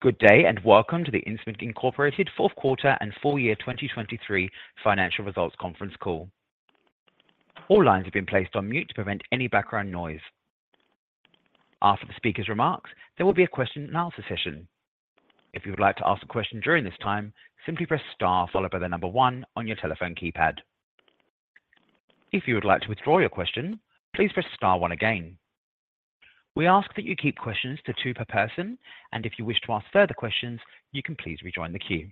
Good day and welcome to the Insmed Incorporated fourth quarter and full year 2023 financial results conference call. All lines have been placed on mute to prevent any background noise. After the speaker's remarks, there will be a question and answer session. If you would like to ask a question during this time, simply press star followed by the number one on your telephone keypad. If you would like to withdraw your question, please press star one again. We ask that you keep questions to two per person, and if you wish to ask further questions, you can please rejoin the queue.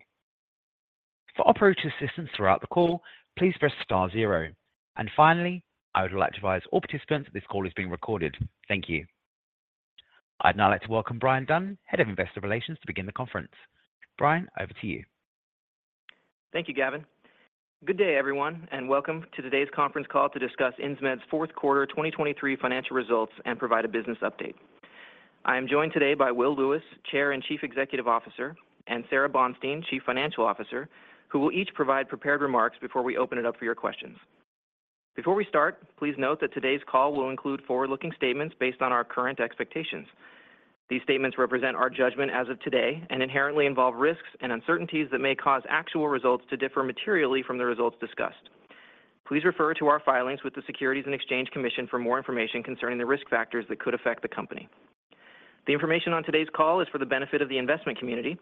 For operator assistance throughout the call, please press star zero. And finally, I would like to advise all participants that this call is being recorded. Thank you. I'd now like to welcome Bryan Dunn, head of investor relations, to begin the conference. Bryan, over to you. Thank you, Gavin. Good day, everyone, and welcome to today's conference call to discuss Insmed's fourth quarter 2023 financial results and provide a business update. I am joined today by Will Lewis, Chair and Chief Executive Officer, and Sara Bonstein, Chief Financial Officer, who will each provide prepared remarks before we open it up for your questions. Before we start, please note that today's call will include forward-looking statements based on our current expectations. These statements represent our judgment as of today and inherently involve risks and uncertainties that may cause actual results to differ materially from the results discussed. Please refer to our filings with the Securities and Exchange Commission for more information concerning the risk factors that could affect the company. The information on today's call is for the benefit of the investment community.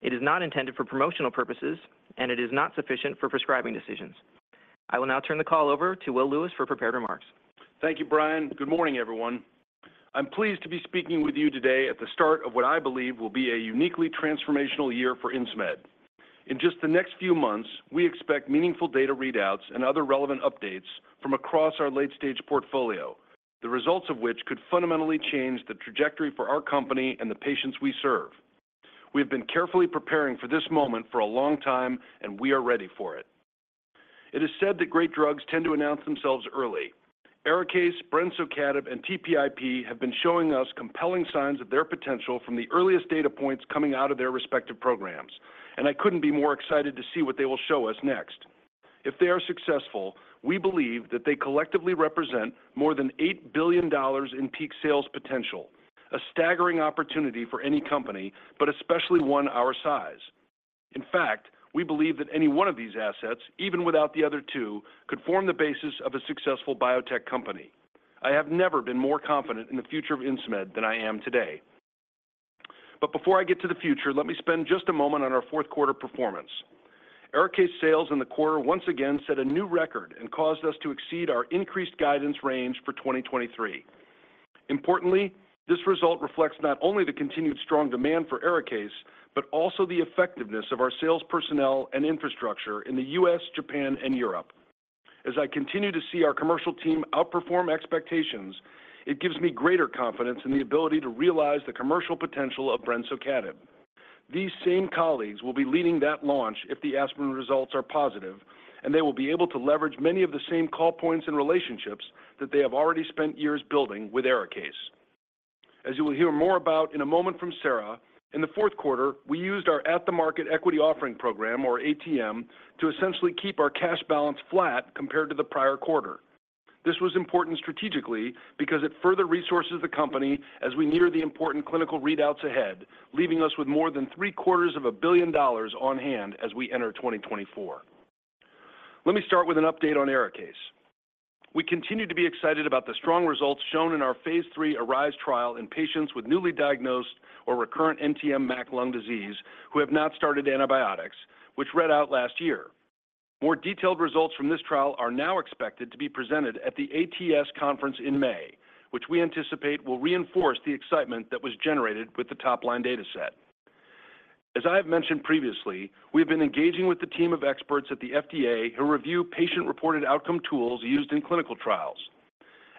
It is not intended for promotional purposes, and it is not sufficient for prescribing decisions. I will now turn the call over to Will Lewis for prepared remarks. Thank you, Bryan. Good morning, everyone. I'm pleased to be speaking with you today at the start of what I believe will be a uniquely transformational year for Insmed. In just the next few months, we expect meaningful data readouts and other relevant updates from across our late-stage portfolio, the results of which could fundamentally change the trajectory for our company and the patients we serve. We have been carefully preparing for this moment for a long time, and we are ready for it. It is said that great drugs tend to announce themselves early. ARIKAYCE, brensocatib, and TPIP have been showing us compelling signs of their potential from the earliest data points coming out of their respective programs, and I couldn't be more excited to see what they will show us next. If they are successful, we believe that they collectively represent more than $8 billion in peak sales potential, a staggering opportunity for any company, but especially one our size. In fact, we believe that any one of these assets, even without the other two, could form the basis of a successful biotech company. I have never been more confident in the future of Insmed than I am today. But before I get to the future, let me spend just a moment on our fourth quarter performance. ARIKAYCE sales in the quarter once again set a new record and caused us to exceed our increased guidance range for 2023. Importantly, this result reflects not only the continued strong demand for ARIKAYCE, but also the effectiveness of our sales personnel and infrastructure in the U.S., Japan, and Europe. As I continue to see our commercial team outperform expectations, it gives me greater confidence in the ability to realize the commercial potential of brensocatib. These same colleagues will be leading that launch if the ASPEN results are positive, and they will be able to leverage many of the same call points and relationships that they have already spent years building with ARIKAYCE. As you will hear more about in a moment from Sara, in the fourth quarter, we used our at-the-market equity offering program, or ATM, to essentially keep our cash balance flat compared to the prior quarter. This was important strategically because it further resources the company as we near the important clinical readouts ahead, leaving us with more than $750 million on hand as we enter 2024. Let me start with an update on ARIKAYCE. We continue to be excited about the strong results shown in our phase III ARISE trial in patients with newly diagnosed or recurrent NTM MAC lung disease who have not started antibiotics, which read out last year. More detailed results from this trial are now expected to be presented at the ATS conference in May, which we anticipate will reinforce the excitement that was generated with the top-line data set. As I have mentioned previously, we have been engaging with the team of experts at the FDA who review patient-reported outcome tools used in clinical trials.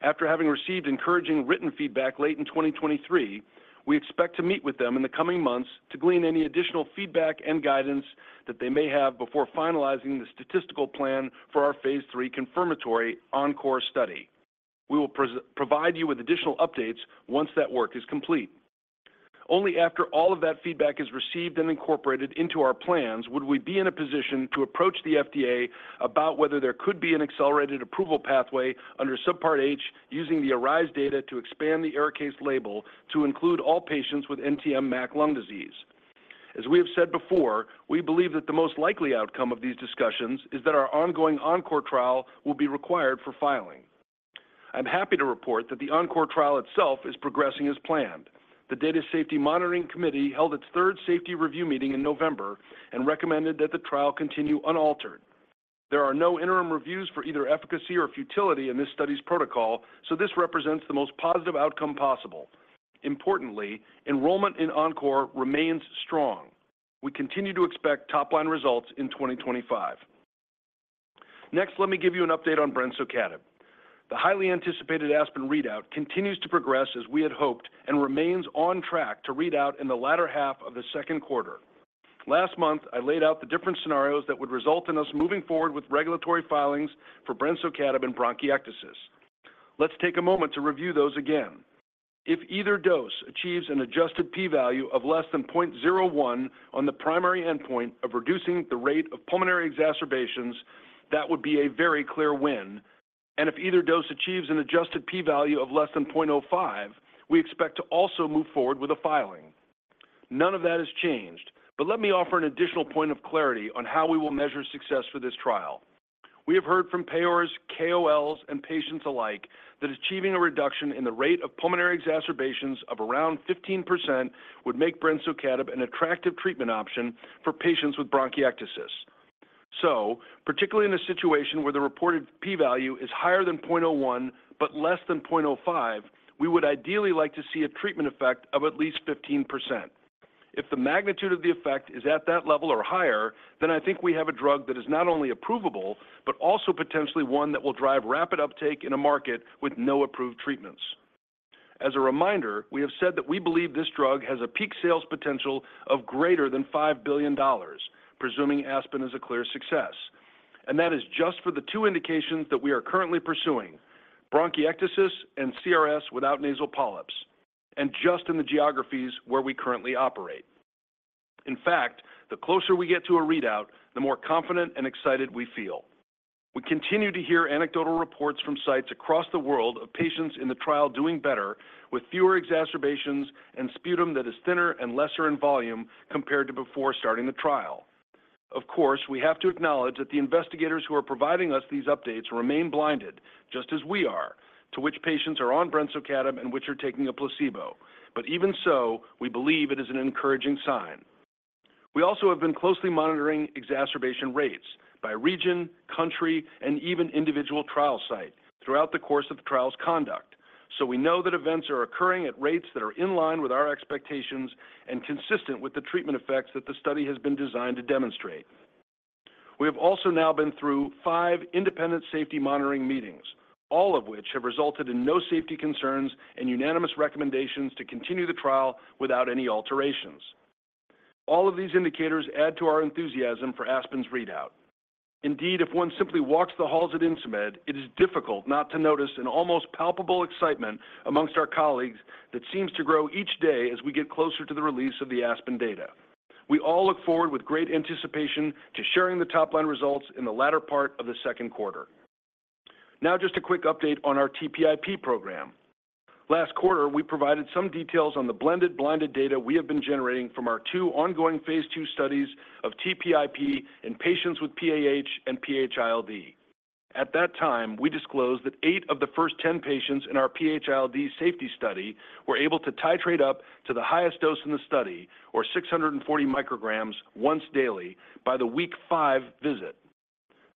After having received encouraging written feedback late in 2023, we expect to meet with them in the coming months to glean any additional feedback and guidance that they may have before finalizing the statistical plan for our phase III confirmatory ENCORE study. We will provide you with additional updates once that work is complete. Only after all of that feedback is received and incorporated into our plans would we be in a position to approach the FDA about whether there could be an accelerated approval pathway under Subpart H using the ARISE data to expand the ARIKAYCE label to include all patients with NTM MAC lung disease. As we have said before, we believe that the most likely outcome of these discussions is that our ongoing ENCORE trial will be required for filing. I'm happy to report that the ENCORE trial itself is progressing as planned. The Data Safety Monitoring Committee held its third safety review meeting in November and recommended that the trial continue unaltered. There are no interim reviews for either efficacy or futility in this study's protocol, so this represents the most positive outcome possible. Importantly, enrollment in ENCORE remains strong. We continue to expect top-line results in 2025. Next, let me give you an update on brensocatib. The highly anticipated ASPEN readout continues to progress as we had hoped and remains on track to read out in the latter half of the second quarter. Last month, I laid out the different scenarios that would result in us moving forward with regulatory filings for brensocatib and bronchiectasis. Let's take a moment to review those again. If either dose achieves an adjusted p-value of less than 0.01 on the primary endpoint of reducing the rate of pulmonary exacerbations, that would be a very clear win. If either dose achieves an adjusted p-value of less than 0.05, we expect to also move forward with a filing. None of that has changed, but let me offer an additional point of clarity on how we will measure success for this trial. We have heard from payers, KOLs, and patients alike that achieving a reduction in the rate of pulmonary exacerbations of around 15% would make brensocatib an attractive treatment option for patients with bronchiectasis. So, particularly in a situation where the reported p-value is higher than 0.01 but less than 0.05, we would ideally like to see a treatment effect of at least 15%. If the magnitude of the effect is at that level or higher, then I think we have a drug that is not only approvable but also potentially one that will drive rapid uptake in a market with no approved treatments. As a reminder, we have said that we believe this drug has a peak sales potential of greater than $5 billion, presuming ASPEN is a clear success. That is just for the two indications that we are currently pursuing: bronchiectasis and CRS without nasal polyps, and just in the geographies where we currently operate. In fact, the closer we get to a readout, the more confident and excited we feel. We continue to hear anecdotal reports from sites across the world of patients in the trial doing better with fewer exacerbations and sputum that is thinner and lesser in volume compared to before starting the trial. Of course, we have to acknowledge that the investigators who are providing us these updates remain blinded, just as we are, to which patients are on brensocatib and which are taking a placebo. Even so, we believe it is an encouraging sign. We also have been closely monitoring exacerbation rates by region, country, and even individual trial site throughout the course of the trial's conduct, so we know that events are occurring at rates that are in line with our expectations and consistent with the treatment effects that the study has been designed to demonstrate. We have also now been through five independent safety monitoring meetings, all of which have resulted in no safety concerns and unanimous recommendations to continue the trial without any alterations. All of these indicators add to our enthusiasm for ASPEN's readout. Indeed, if one simply walks the halls at Insmed, it is difficult not to notice an almost palpable excitement among our colleagues that seems to grow each day as we get closer to the release of the ASPEN data. We all look forward with great anticipation to sharing the top-line results in the latter part of the second quarter. Now, just a quick update on our TPIP program. Last quarter, we provided some details on the blended blinded data we have been generating from our two ongoing phase II studies of TPIP in patients with PAH and PH-ILD. At that time, we disclosed that eight of the first 10 patients in our PH-ILD safety study were able to titrate up to the highest dose in the study, or 640 micrograms, once daily by the week five visit.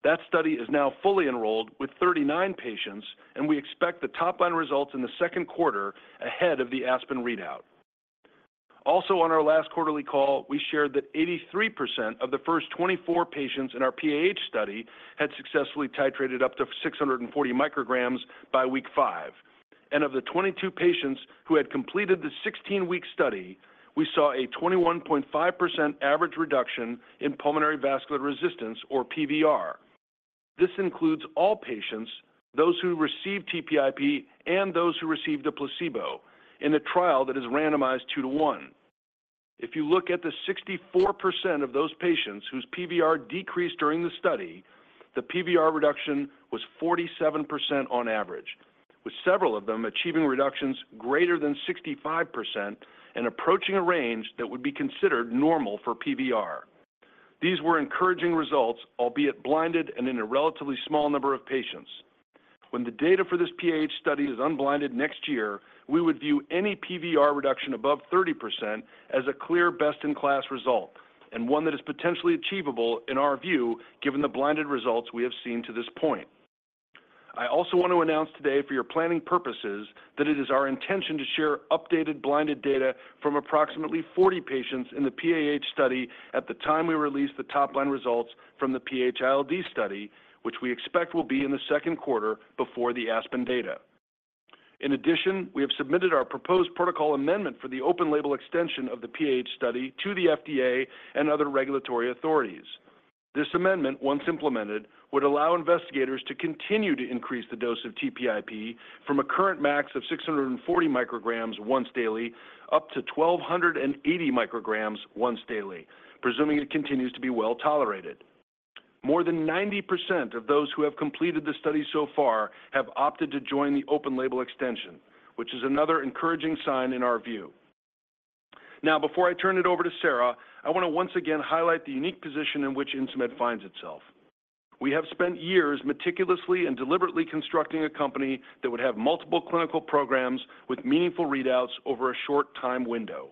That study is now fully enrolled with 39 patients, and we expect the top-line results in the second quarter ahead of the ASPEN readout. Also, on our last quarterly call, we shared that 83% of the first 24 patients in our PAH study had successfully titrated up to 640 micrograms by week five. And of the 22 patients who had completed the 16-week study, we saw a 21.5% average reduction in pulmonary vascular resistance, or PVR. This includes all patients, those who received TPIP, and those who received a placebo in a trial that is randomized 2-to-1. If you look at the 64% of those patients whose PVR decreased during the study, the PVR reduction was 47% on average, with several of them achieving reductions greater than 65% and approaching a range that would be considered normal for PVR. These were encouraging results, albeit blinded and in a relatively small number of patients. When the data for this PAH study is unblinded next year, we would view any PVR reduction above 30% as a clear best-in-class result and one that is potentially achievable, in our view, given the blinded results we have seen to this point. I also want to announce today for your planning purposes that it is our intention to share updated blinded data from approximately 40 patients in the PAH study at the time we release the top-line results from the PH-ILD study, which we expect will be in the second quarter before the ASPEN data. In addition, we have submitted our proposed protocol amendment for the open-label extension of the PAH study to the FDA and other regulatory authorities. This amendment, once implemented, would allow investigators to continue to increase the dose of TPIP from a current max of 640 micrograms once daily up to 1,280 micrograms once daily, presuming it continues to be well tolerated. More than 90% of those who have completed the study so far have opted to join the open-label extension, which is another encouraging sign in our view. Now, before I turn it over to Sara, I want to once again highlight the unique position in which Insmed finds itself. We have spent years meticulously and deliberately constructing a company that would have multiple clinical programs with meaningful readouts over a short time window.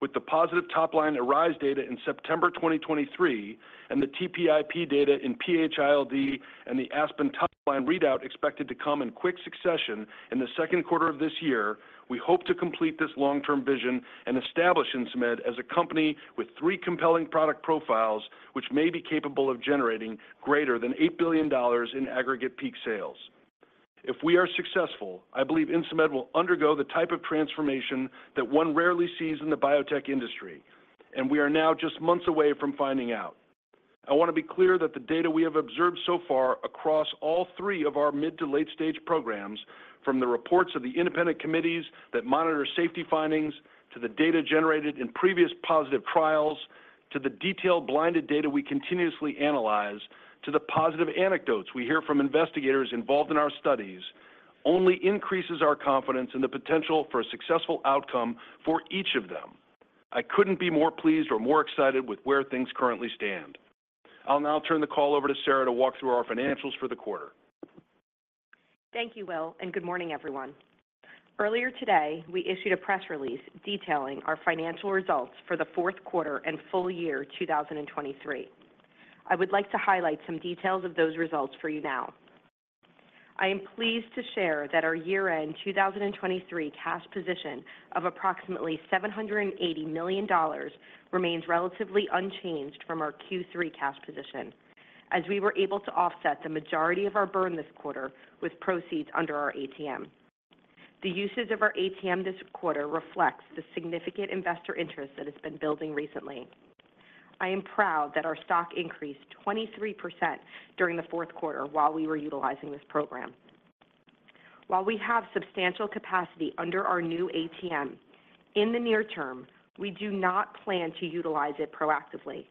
With the positive top-line ARISE data in September 2023 and the TPIP data in PH-ILD and the ASPEN top-line readout expected to come in quick succession in the second quarter of this year, we hope to complete this long-term vision and establish Insmed as a company with three compelling product profiles which may be capable of generating greater than $8 billion in aggregate peak sales. If we are successful, I believe Insmed will undergo the type of transformation that one rarely sees in the biotech industry, and we are now just months away from finding out. I want to be clear that the data we have observed so far across all three of our mid to late-stage programs, from the reports of the independent committees that monitor safety findings to the data generated in previous positive trials to the detailed blinded data we continuously analyze to the positive anecdotes we hear from investigators involved in our studies, only increases our confidence in the potential for a successful outcome for each of them. I couldn't be more pleased or more excited with where things currently stand. I'll now turn the call over to Sara to walk through our financials for the quarter. Thank you, Will, and good morning, everyone. Earlier today, we issued a press release detailing our financial results for the fourth quarter and full year 2023. I would like to highlight some details of those results for you now. I am pleased to share that our year-end 2023 cash position of approximately $780 million remains relatively unchanged from our Q3 cash position, as we were able to offset the majority of our burn this quarter with proceeds under our ATM. The uses of our ATM this quarter reflects the significant investor interest that has been building recently. I am proud that our stock increased 23% during the fourth quarter while we were utilizing this program. While we have substantial capacity under our new ATM, in the near term, we do not plan to utilize it proactively.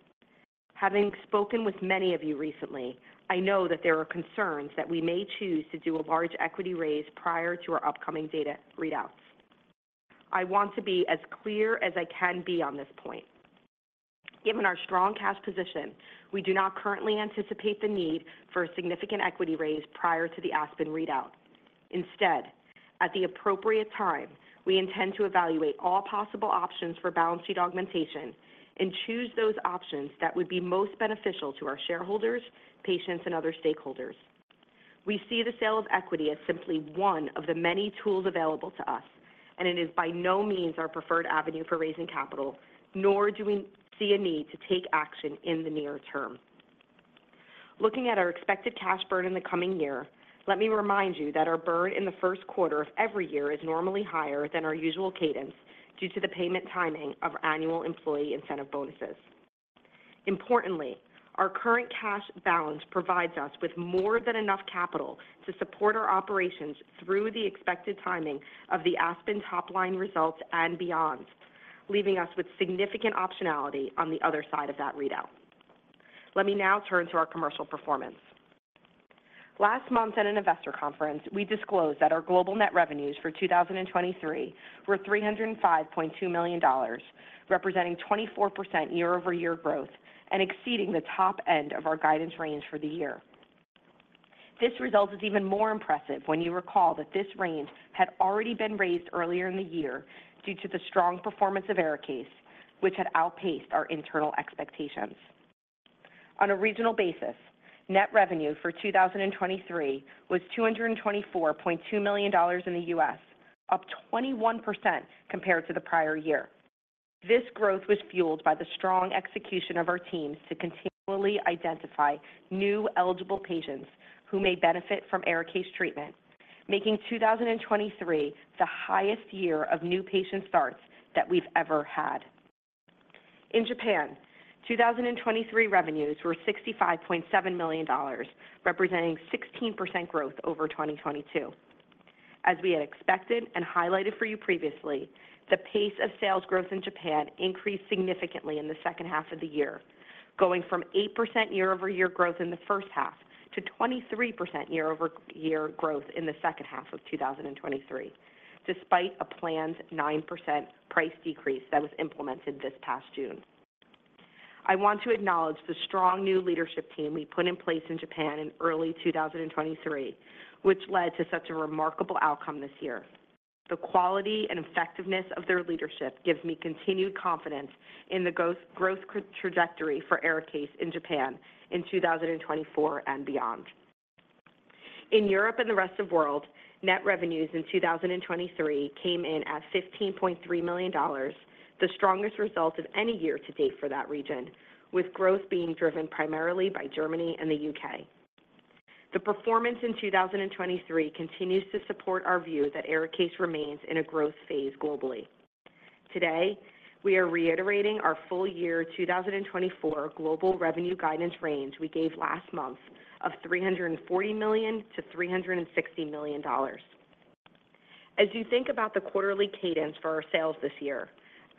Having spoken with many of you recently, I know that there are concerns that we may choose to do a large equity raise prior to our upcoming data readouts. I want to be as clear as I can be on this point. Given our strong cash position, we do not currently anticipate the need for a significant equity raise prior to the ASPEN readout. Instead, at the appropriate time, we intend to evaluate all possible options for balance sheet augmentation and choose those options that would be most beneficial to our shareholders, patients, and other stakeholders. We see the sale of equity as simply one of the many tools available to us, and it is by no means our preferred avenue for raising capital, nor do we see a need to take action in the near term. Looking at our expected cash burn in the coming year, let me remind you that our burn in the first quarter of every year is normally higher than our usual cadence due to the payment timing of annual employee incentive bonuses. Importantly, our current cash balance provides us with more than enough capital to support our operations through the expected timing of the ASPEN top-line results and beyond, leaving us with significant optionality on the other side of that readout. Let me now turn to our commercial performance. Last month, at an investor conference, we disclosed that our global net revenues for 2023 were $305.2 million, representing 24% year-over-year growth and exceeding the top end of our guidance range for the year. This result is even more impressive when you recall that this range had already been raised earlier in the year due to the strong performance of ARIKAYCE, which had outpaced our internal expectations. On a regional basis, net revenue for 2023 was $224.2 million in the U.S., up 21% compared to the prior year. This growth was fueled by the strong execution of our teams to continually identify new eligible patients who may benefit from ARIKAYCE treatment, making 2023 the highest year of new patient starts that we've ever had. In Japan, 2023 revenues were $65.7 million, representing 16% growth over 2022. As we had expected and highlighted for you previously, the pace of sales growth in Japan increased significantly in the second half of the year, going from 8% year-over-year growth in the first half to 23% year-over-year growth in the second half of 2023, despite a planned 9% price decrease that was implemented this past June. I want to acknowledge the strong new leadership team we put in place in Japan in early 2023, which led to such a remarkable outcome this year. The quality and effectiveness of their leadership gives me continued confidence in the growth trajectory for ARIKAYCE in Japan in 2024 and beyond. In Europe and the rest of the world, net revenues in 2023 came in at $15.3 million, the strongest result of any year to date for that region, with growth being driven primarily by Germany and the U.K. The performance in 2023 continues to support our view that ARIKAYCE remains in a growth phase globally. Today, we are reiterating our full-year 2024 global revenue guidance range we gave last month of $340 million-$360 million. As you think about the quarterly cadence for our sales this year,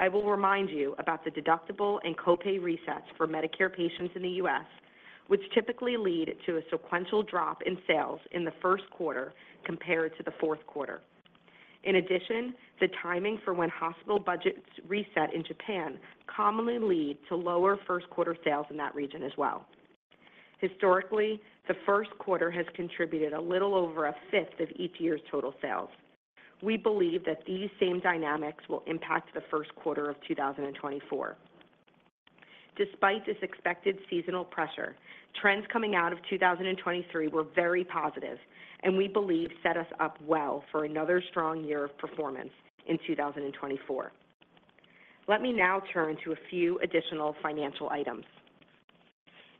I will remind you about the deductible and copay resets for Medicare patients in the U.S., which typically lead to a sequential drop in sales in the first quarter compared to the fourth quarter. In addition, the timing for when hospital budgets reset in Japan commonly lead to lower first-quarter sales in that region as well. Historically, the first quarter has contributed a little over a fifth of each year's total sales. We believe that these same dynamics will impact the first quarter of 2024. Despite this expected seasonal pressure, trends coming out of 2023 were very positive, and we believe set us up well for another strong year of performance in 2024. Let me now turn to a few additional financial items.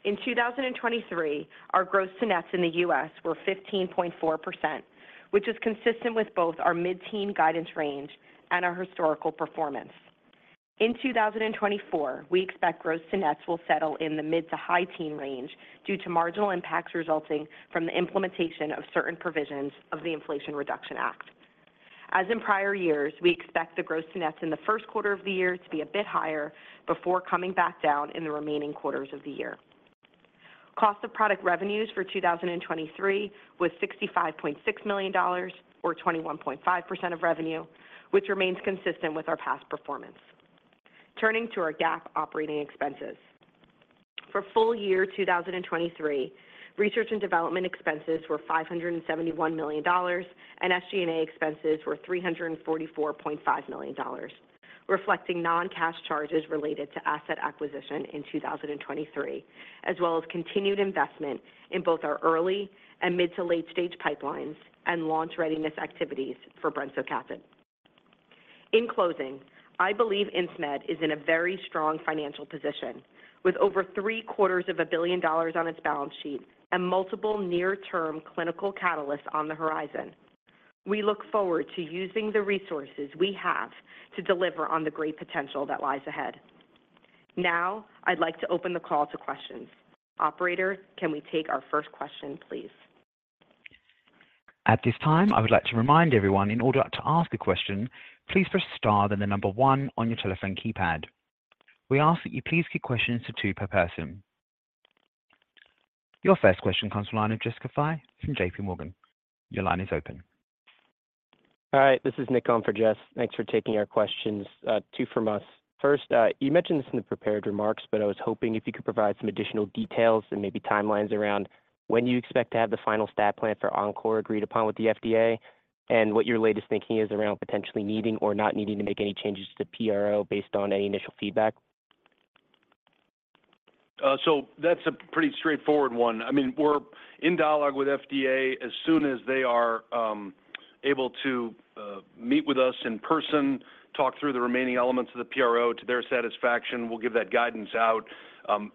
In 2023, our gross-to-net in the U.S. were 15.4%, which is consistent with both our mid-teens guidance range and our historical performance. In 2024, we expect gross-to-net will settle in the mid- to high-teens range due to marginal impacts resulting from the implementation of certain provisions of the Inflation Reduction Act. As in prior years, we expect the gross-to-net in the first quarter of the year to be a bit higher before coming back down in the remaining quarters of the year. Cost of product revenues for 2023 was $65.6 million, or 21.5% of revenue, which remains consistent with our past performance. Turning to our GAAP operating expenses. For full year 2023, research and development expenses were $571 million, and SG&A expenses were $344.5 million, reflecting non-cash charges related to asset acquisition in 2023, as well as continued investment in both our early and mid- to late-stage pipelines and launch readiness activities for brensocatib. In closing, I believe Insmed is in a very strong financial position, with over $750+ million on its balance sheet and multiple near-term clinical catalysts on the horizon. We look forward to using the resources we have to deliver on the great potential that lies ahead. Now, I'd like to open the call to questions. Operator, can we take our first question, please? At this time, I would like to remind everyone, in order to ask a question, please press star then the number one on your telephone keypad. We ask that you please give questions to two per person. Your first question comes from the line of Jessica Fye from JPMorgan. Your line is open. All right, this is Nick Hong for Jess. Thanks for taking our questions, two from us. First, you mentioned this in the prepared remarks, but I was hoping if you could provide some additional details and maybe timelines around when you expect to have the final stat plan for ENCORE agreed upon with the FDA and what your latest thinking is around potentially needing or not needing to make any changes to PRO based on any initial feedback. So that's a pretty straightforward one. I mean, we're in dialogue with FDA. As soon as they are able to meet with us in person, talk through the remaining elements of the PRO to their satisfaction, we'll give that guidance out.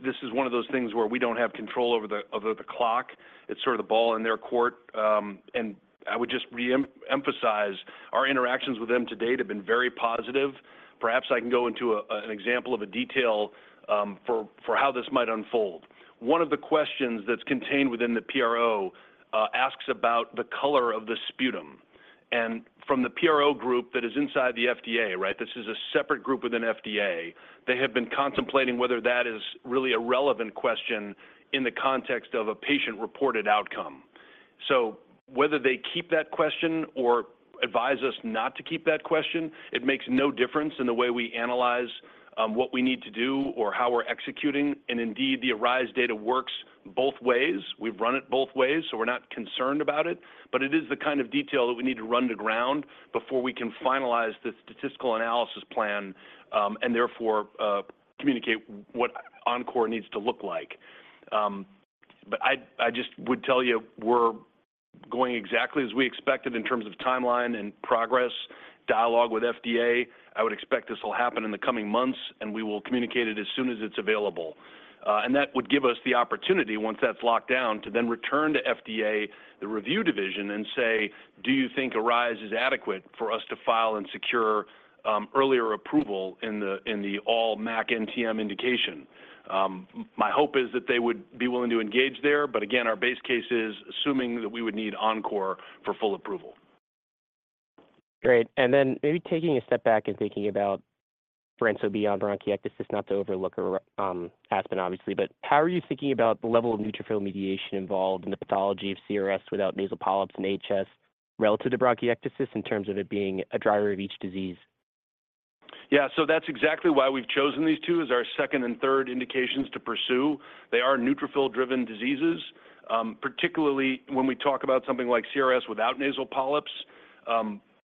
This is one of those things where we don't have control over the clock. It's sort of the ball in their court. And I would just reemphasize, our interactions with them to date have been very positive. Perhaps I can go into an example of a detail for how this might unfold. One of the questions that's contained within the PRO asks about the color of the sputum. And from the PRO group that is inside the FDA, right, this is a separate group within FDA, they have been contemplating whether that is really a relevant question in the context of a patient-reported outcome. So whether they keep that question or advise us not to keep that question, it makes no difference in the way we analyze what we need to do or how we're executing. Indeed, the ARISE data works both ways. We've run it both ways, so we're not concerned about it. It is the kind of detail that we need to run to ground before we can finalize the statistical analysis plan and therefore communicate what ENCORE needs to look like. I just would tell you, we're going exactly as we expected in terms of timeline and progress, dialogue with FDA. I would expect this will happen in the coming months, and we will communicate it as soon as it's available. That would give us the opportunity, once that's locked down, to then return to FDA, the review division, and say, do you think ARISE is adequate for us to file and secure earlier approval in the all MAC NTM indication? My hope is that they would be willing to engage there. But again, our base case is assuming that we would need ENCORE for full approval. Great. And then maybe taking a step back and thinking about brensocatib beyond bronchiectasis, not to overlook ASPEN, obviously, but how are you thinking about the level of neutrophil mediation involved in the pathology of CRS without nasal polyps and HS relative to bronchiectasis in terms of it being a driver of each disease? Yeah, so that's exactly why we've chosen these two as our second and third indications to pursue. They are neutrophil-driven diseases, particularly when we talk about something like CRS without nasal polyps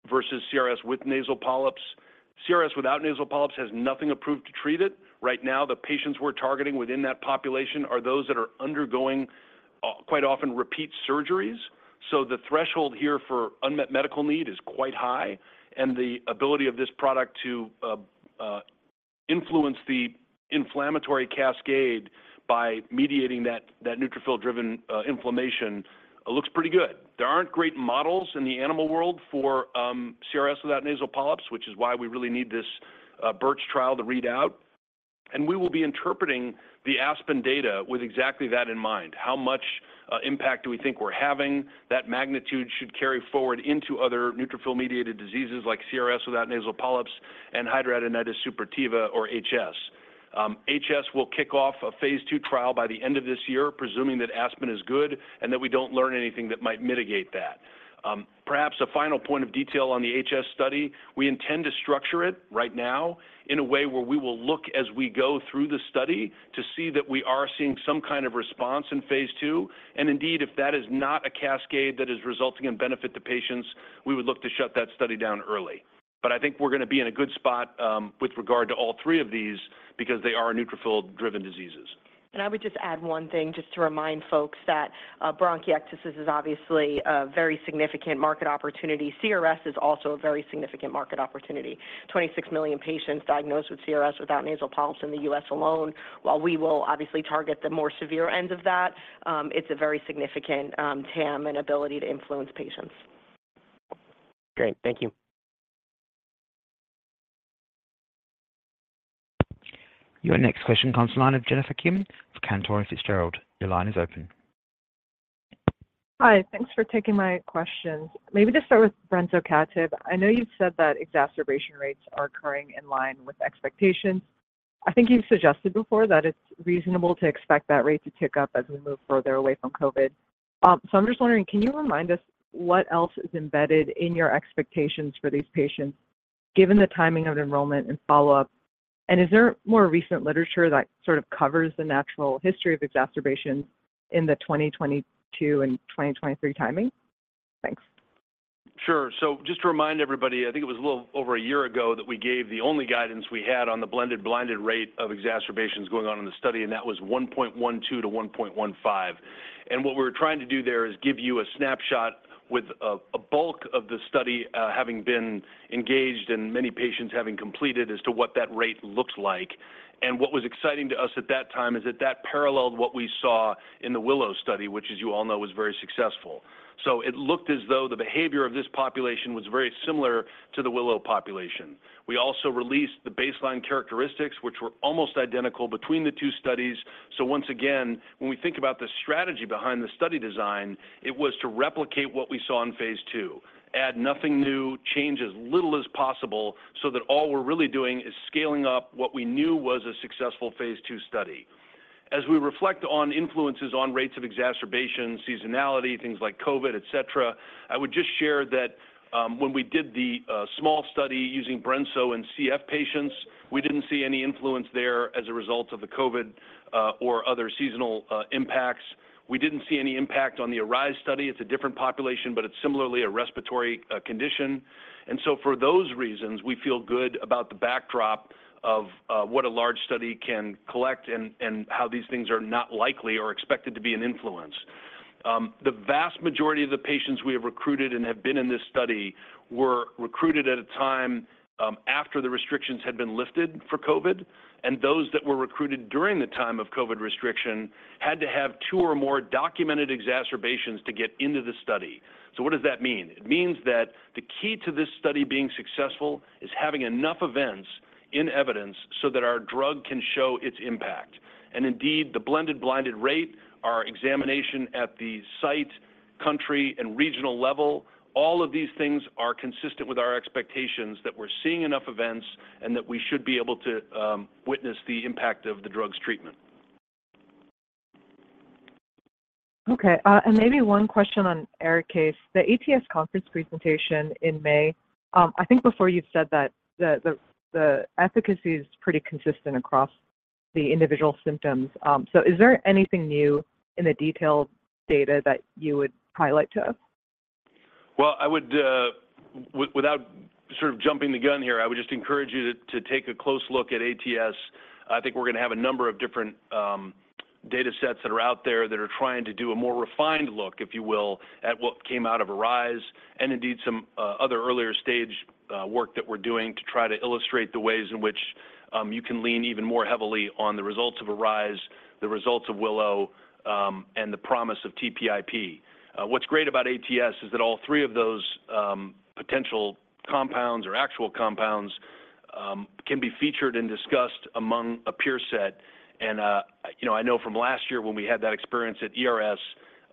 versus CRS with nasal polyps. CRS without nasal polyps has nothing approved to treat it. Right now, the patients we're targeting within that population are those that are undergoing quite often repeat surgeries. So the threshold here for unmet medical need is quite high. And the ability of this product to influence the inflammatory cascade by mediating that neutrophil-driven inflammation looks pretty good. There aren't great models in the animal world for CRS without nasal polyps, which is why we really need this BiRCh trial to read out. And we will be interpreting the ASPEN data with exactly that in mind. How much impact do we think we're having? That magnitude should carry forward into other neutrophil-mediated diseases like CRS without nasal polyps and hidradenitis suppurativa or HS. HS will kick off a phase II trial by the end of this year, presuming that ASPEN is good and that we don't learn anything that might mitigate that. Perhaps a final point of detail on the HS study, we intend to structure it right now in a way where we will look as we go through the study to see that we are seeing some kind of response in phase II. And indeed, if that is not a cascade that is resulting in benefit to patients, we would look to shut that study down early. But I think we're going to be in a good spot with regard to all three of these because they are neutrophil-driven diseases. I would just add one thing just to remind folks that bronchiectasis is obviously a very significant market opportunity. CRS is also a very significant market opportunity. 26 million patients diagnosed with CRS without nasal polyps in the U.S. alone, while we will obviously target the more severe ends of that. It's a very significant TAM and ability to influence patients. Great. Thank you. Your next question comes to the line of Jennifer Kim from Cantor Fitzgerald. Your line is open. Hi, thanks for taking my questions. Maybe to start with brensocatib, I know you've said that exacerbation rates are occurring in line with expectations. I think you've suggested before that it's reasonable to expect that rate to tick up as we move further away from COVID. So I'm just wondering, can you remind us what else is embedded in your expectations for these patients given the timing of enrollment and follow-up? And is there more recent literature that sort of covers the natural history of exacerbations in the 2022 and 2023 timing? Thanks. Sure. So just to remind everybody, I think it was a little over a year ago that we gave the only guidance we had on the blended blinded rate of exacerbations going on in the study, and that was 1.12-1.15. And what we were trying to do there is give you a snapshot with a bulk of the study having been engaged and many patients having completed as to what that rate looked like. And what was exciting to us at that time is that that paralleled what we saw in the WILLOW study, which as you all know, was very successful. So it looked as though the behavior of this population was very similar to the WILLOW population. We also released the baseline characteristics, which were almost identical between the two studies. So once again, when we think about the strategy behind the study design, it was to replicate what we saw in phase II, add nothing new, change as little as possible so that all we're really doing is scaling up what we knew was a successful phase II study. As we reflect on influences on rates of exacerbation, seasonality, things like COVID, etc., I would just share that when we did the small study using brensocatib and CF patients, we didn't see any influence there as a result of the COVID or other seasonal impacts. We didn't see any impact on the ARISE study. It's a different population, but it's similarly a respiratory condition. And so for those reasons, we feel good about the backdrop of what a large study can collect and how these things are not likely or expected to be an influence. The vast majority of the patients we have recruited and have been in this study were recruited at a time after the restrictions had been lifted for COVID. Those that were recruited during the time of COVID restriction had to have two or more documented exacerbations to get into the study. What does that mean? It means that the key to this study being successful is having enough events in evidence so that our drug can show its impact. Indeed, the blended blinded rate, our examination at the site, country, and regional level, all of these things are consistent with our expectations that we're seeing enough events and that we should be able to witness the impact of the drug's treatment. Okay. And maybe one question on ARIKAYCE. The ATS conference presentation in May, I think before you've said that, the efficacy is pretty consistent across the individual symptoms. So is there anything new in the detailed data that you would highlight to us? Well, without sort of jumping the gun here, I would just encourage you to take a close look at ATS. I think we're going to have a number of different datasets that are out there that are trying to do a more refined look, if you will, at what came out of ARISE and indeed some other earlier stage work that we're doing to try to illustrate the ways in which you can lean even more heavily on the results of ARISE, the results of WILLOW, and the promise of TPIP. What's great about ATS is that all three of those potential compounds or actual compounds can be featured and discussed among a peer set. I know from last year when we had that experience at ERS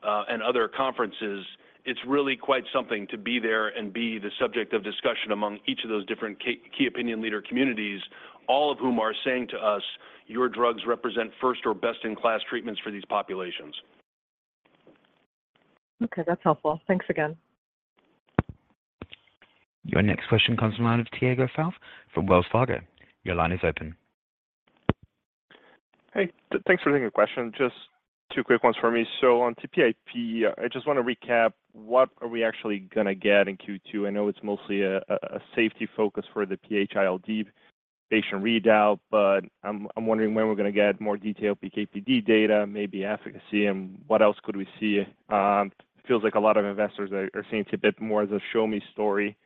and other conferences, it's really quite something to be there and be the subject of discussion among each of those different key opinion leader communities, all of whom are saying to us, your drugs represent first or best-in-class treatments for these populations. Okay, that's helpful. Thanks again. Your next question comes to the line of Tiago Fauth from Wells Fargo. Your line is open. Hey, thanks for taking the question. Just two quick ones for me. So on TPIP, I just want to recap, what are we actually going to get in Q2? I know it's mostly a safety focus for the PH-ILD patient readout, but I'm wondering when we're going to get more detailed PK/PD data, maybe efficacy, and what else could we see. It feels like a lot of investors are seeing it a bit more as a show-me story.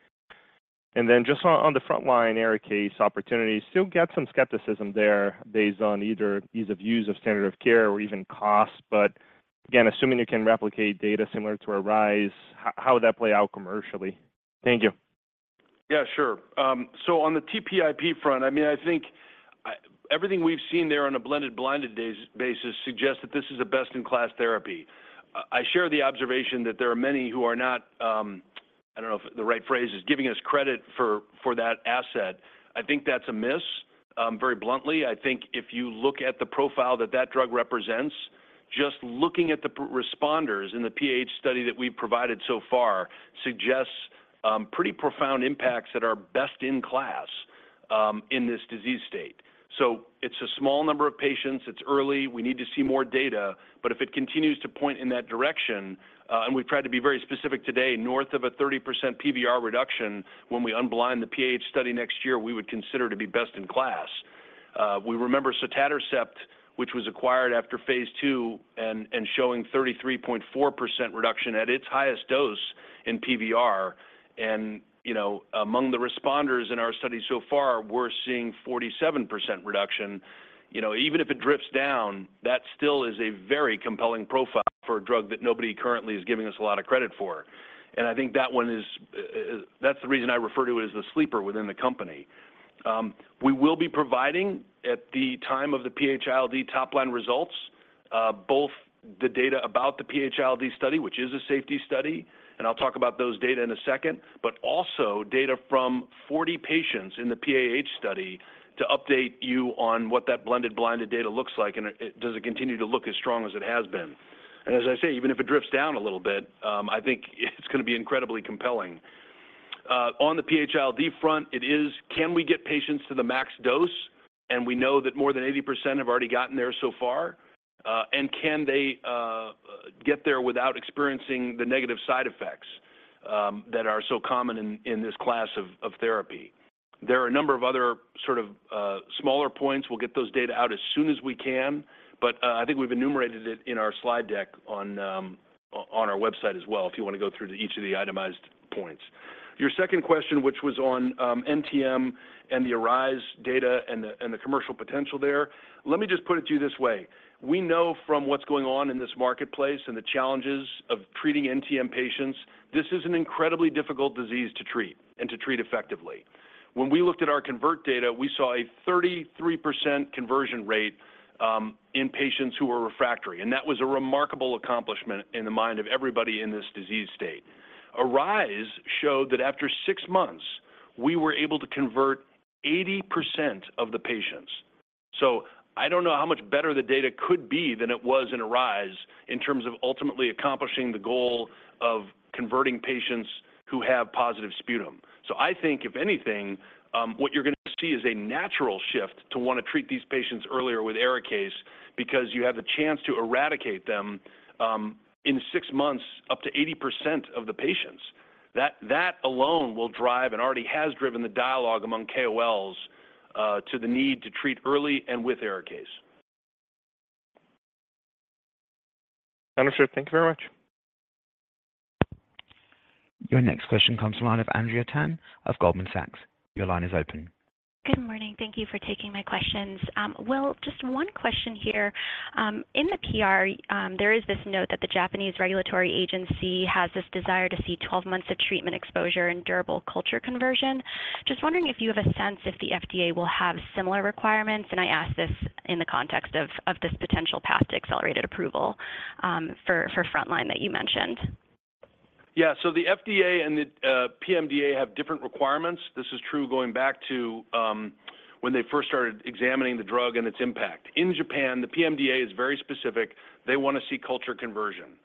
And then just on the front line, ARIKAYCE, opportunities, still get some skepticism there based on either ease of use of standard of care or even cost. But again, assuming you can replicate data similar to ARISE, how would that play out commercially? Thank you. Yeah, sure. So on the TPIP front, I mean, I think everything we've seen there on a blended blinded basis suggests that this is a best-in-class therapy. I share the observation that there are many who are not, I don't know if the right phrase is, giving us credit for that asset. I think that's a miss, very bluntly. I think if you look at the profile that that drug represents, just looking at the responders in the PH study that we've provided so far suggests pretty profound impacts that are best in class in this disease state. So it's a small number of patients. It's early. We need to see more data. But if it continues to point in that direction, and we've tried to be very specific today, north of a 30% PVR reduction when we unblind the PH study next year, we would consider to be best in class. We remember sotatercept, which was acquired after phase II and showing 33.4% reduction at its highest dose in PVR. And among the responders in our study so far, we're seeing 47% reduction. Even if it drifts down, that still is a very compelling profile for a drug that nobody currently is giving us a lot of credit for. And I think that one is, that's the reason I refer to it as the sleeper within the company. We will be providing at the time of the PH-ILD top-line results both the data about the PH-ILD study, which is a safety study, and I'll talk about those data in a second, but also data from 40 patients in the PAH study to update you on what that blended blinded data looks like and does it continue to look as strong as it has been. And as I say, even if it drifts down a little bit, I think it's going to be incredibly compelling. On the PH-ILD front, it is, can we get patients to the max dose? And we know that more than 80% have already gotten there so far. And can they get there without experiencing the negative side effects that are so common in this class of therapy? There are a number of other sort of smaller points. We'll get those data out as soon as we can. But I think we've enumerated it in our slide deck on our website as well if you want to go through each of the itemized points. Your second question, which was on NTM and the ARISE data and the commercial potential there, let me just put it to you this way. We know from what's going on in this marketplace and the challenges of treating NTM patients, this is an incredibly difficult disease to treat and to treat effectively. When we looked at our conversion data, we saw a 33% conversion rate in patients who were refractory. And that was a remarkable accomplishment in the mind of everybody in this disease state. ARISE showed that after six months, we were able to convert 80% of the patients. So I don't know how much better the data could be than it was in ARISE in terms of ultimately accomplishing the goal of converting patients who have positive sputum. So I think, if anything, what you're going to see is a natural shift to want to treat these patients earlier with ARIKAYCE because you have the chance to eradicate them in six months, up to 80% of the patients. That alone will drive and already has driven the dialogue among KOLs to the need to treat early and with ARIKAYCE. Thank you. Thank you very much. Your next question comes to the line of Andrea Tan of Goldman Sachs. Your line is open. Good morning. Thank you for taking my questions. Will, just one question here. In the PR, there is this note that the Japanese regulatory agency has this desire to see 12 months of treatment exposure and durable culture conversion. Just wondering if you have a sense if the FDA will have similar requirements. I ask this in the context of this potential path to accelerated approval for frontline that you mentioned. Yeah. So the FDA and the PMDA have different requirements. This is true going back to when they first started examining the drug and its impact. In Japan, the PMDA is very specific. They want to see culture conversion.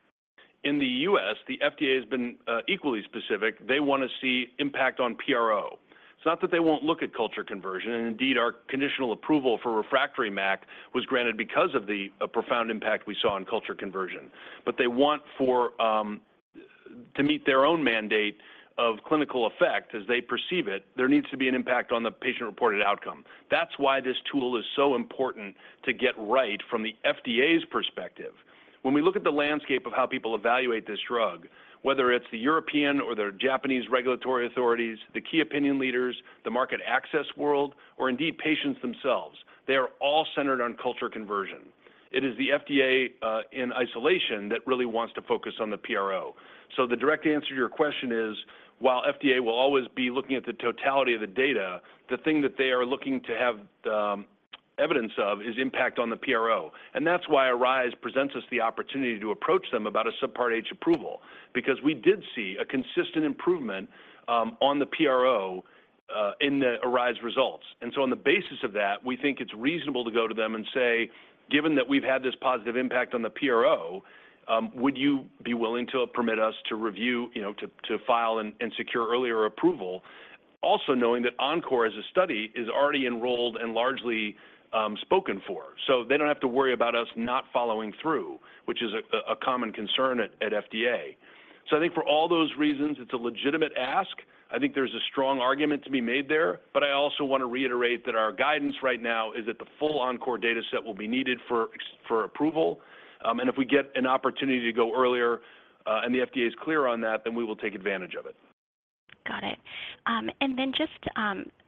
In the U.S., the FDA has been equally specific. They want to see impact on PRO. It's not that they won't look at culture conversion. And indeed, our conditional approval for refractory MAC was granted because of the profound impact we saw on culture conversion. But they want for to meet their own mandate of clinical effect as they perceive it, there needs to be an impact on the patient-reported outcome. That's why this tool is so important to get right from the FDA's perspective. When we look at the landscape of how people evaluate this drug, whether it's the European or the Japanese regulatory authorities, the key opinion leaders, the market access world, or indeed patients themselves, they are all centered on culture conversion. It is the FDA in isolation that really wants to focus on the PRO. So the direct answer to your question is, while FDA will always be looking at the totality of the data, the thing that they are looking to have evidence of is impact on the PRO. And that's why ARISE presents us the opportunity to approach them about a Subpart H approval because we did see a consistent improvement on the PRO in the ARISE results. And so on the basis of that, we think it's reasonable to go to them and say, given that we've had this positive impact on the PRO, would you be willing to permit us to review, to file, and secure earlier approval, also knowing that Encore as a study is already enrolled and largely spoken for? So they don't have to worry about us not following through, which is a common concern at FDA. So I think for all those reasons, it's a legitimate ask. I think there's a strong argument to be made there. But I also want to reiterate that our guidance right now is that the full Encore dataset will be needed for approval. And if we get an opportunity to go earlier and the FDA is clear on that, then we will take advantage of it. Got it. And then just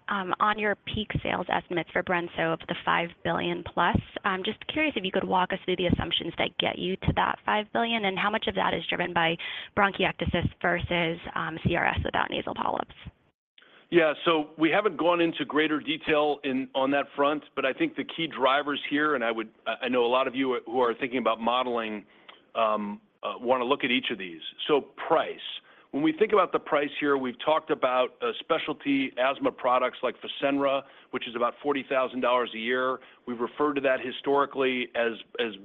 on your peak sales estimates for brensocatib of the $5 billion+, I'm just curious if you could walk us through the assumptions that get you to that $5 billion and how much of that is driven by bronchiectasis versus CRS without nasal polyps? Yeah. So we haven't gone into greater detail on that front. But I think the key drivers here, and I know a lot of you who are thinking about modeling want to look at each of these. So price. When we think about the price here, we've talked about specialty asthma products like Fasenra, which is about $40,000 a year. We've referred to that historically as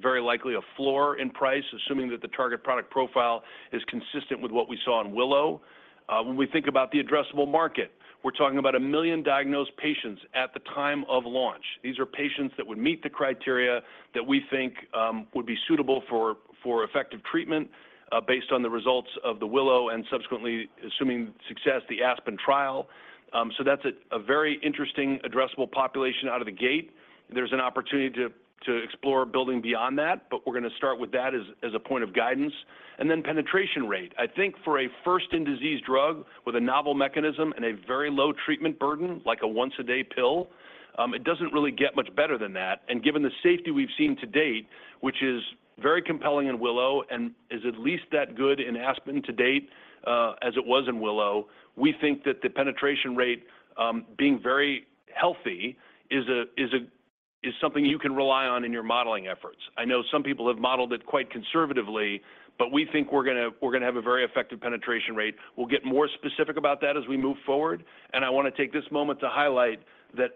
very likely a floor in price, assuming that the target product profile is consistent with what we saw in WILLOW. When we think about the addressable market, we're talking about 1 million diagnosed patients at the time of launch. These are patients that would meet the criteria that we think would be suitable for effective treatment based on the results of the WILLOW and subsequently, assuming success, the ASPEN trial. So that's a very interesting addressable population out of the gate. There's an opportunity to explore building beyond that. But we're going to start with that as a point of guidance. And then penetration rate. I think for a first-in-disease drug with a novel mechanism and a very low treatment burden, like a once-a-day pill, it doesn't really get much better than that. And given the safety we've seen to date, which is very compelling in WILLOW and is at least that good in ASPEN to date as it was in WILLOW, we think that the penetration rate being very healthy is something you can rely on in your modeling efforts. I know some people have modeled it quite conservatively. But we think we're going to have a very effective penetration rate. We'll get more specific about that as we move forward. I want to take this moment to highlight that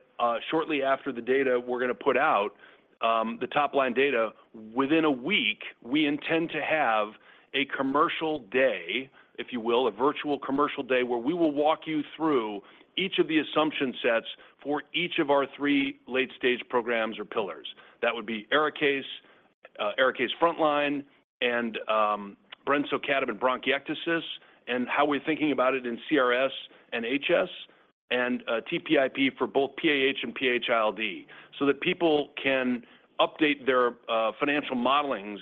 shortly after the data we're going to put out, the top-line data, within a week, we intend to have a commercial day, if you will, a virtual commercial day where we will walk you through each of the assumption sets for each of our three late-stage programs or pillars. That would be ARIKAYCE, ARIKAYCE frontline, and brensocatib bronchiectasis, and how we're thinking about it in CRS and HS, and TPIP for both PAH and PH-ILD so that people can update their financial modelings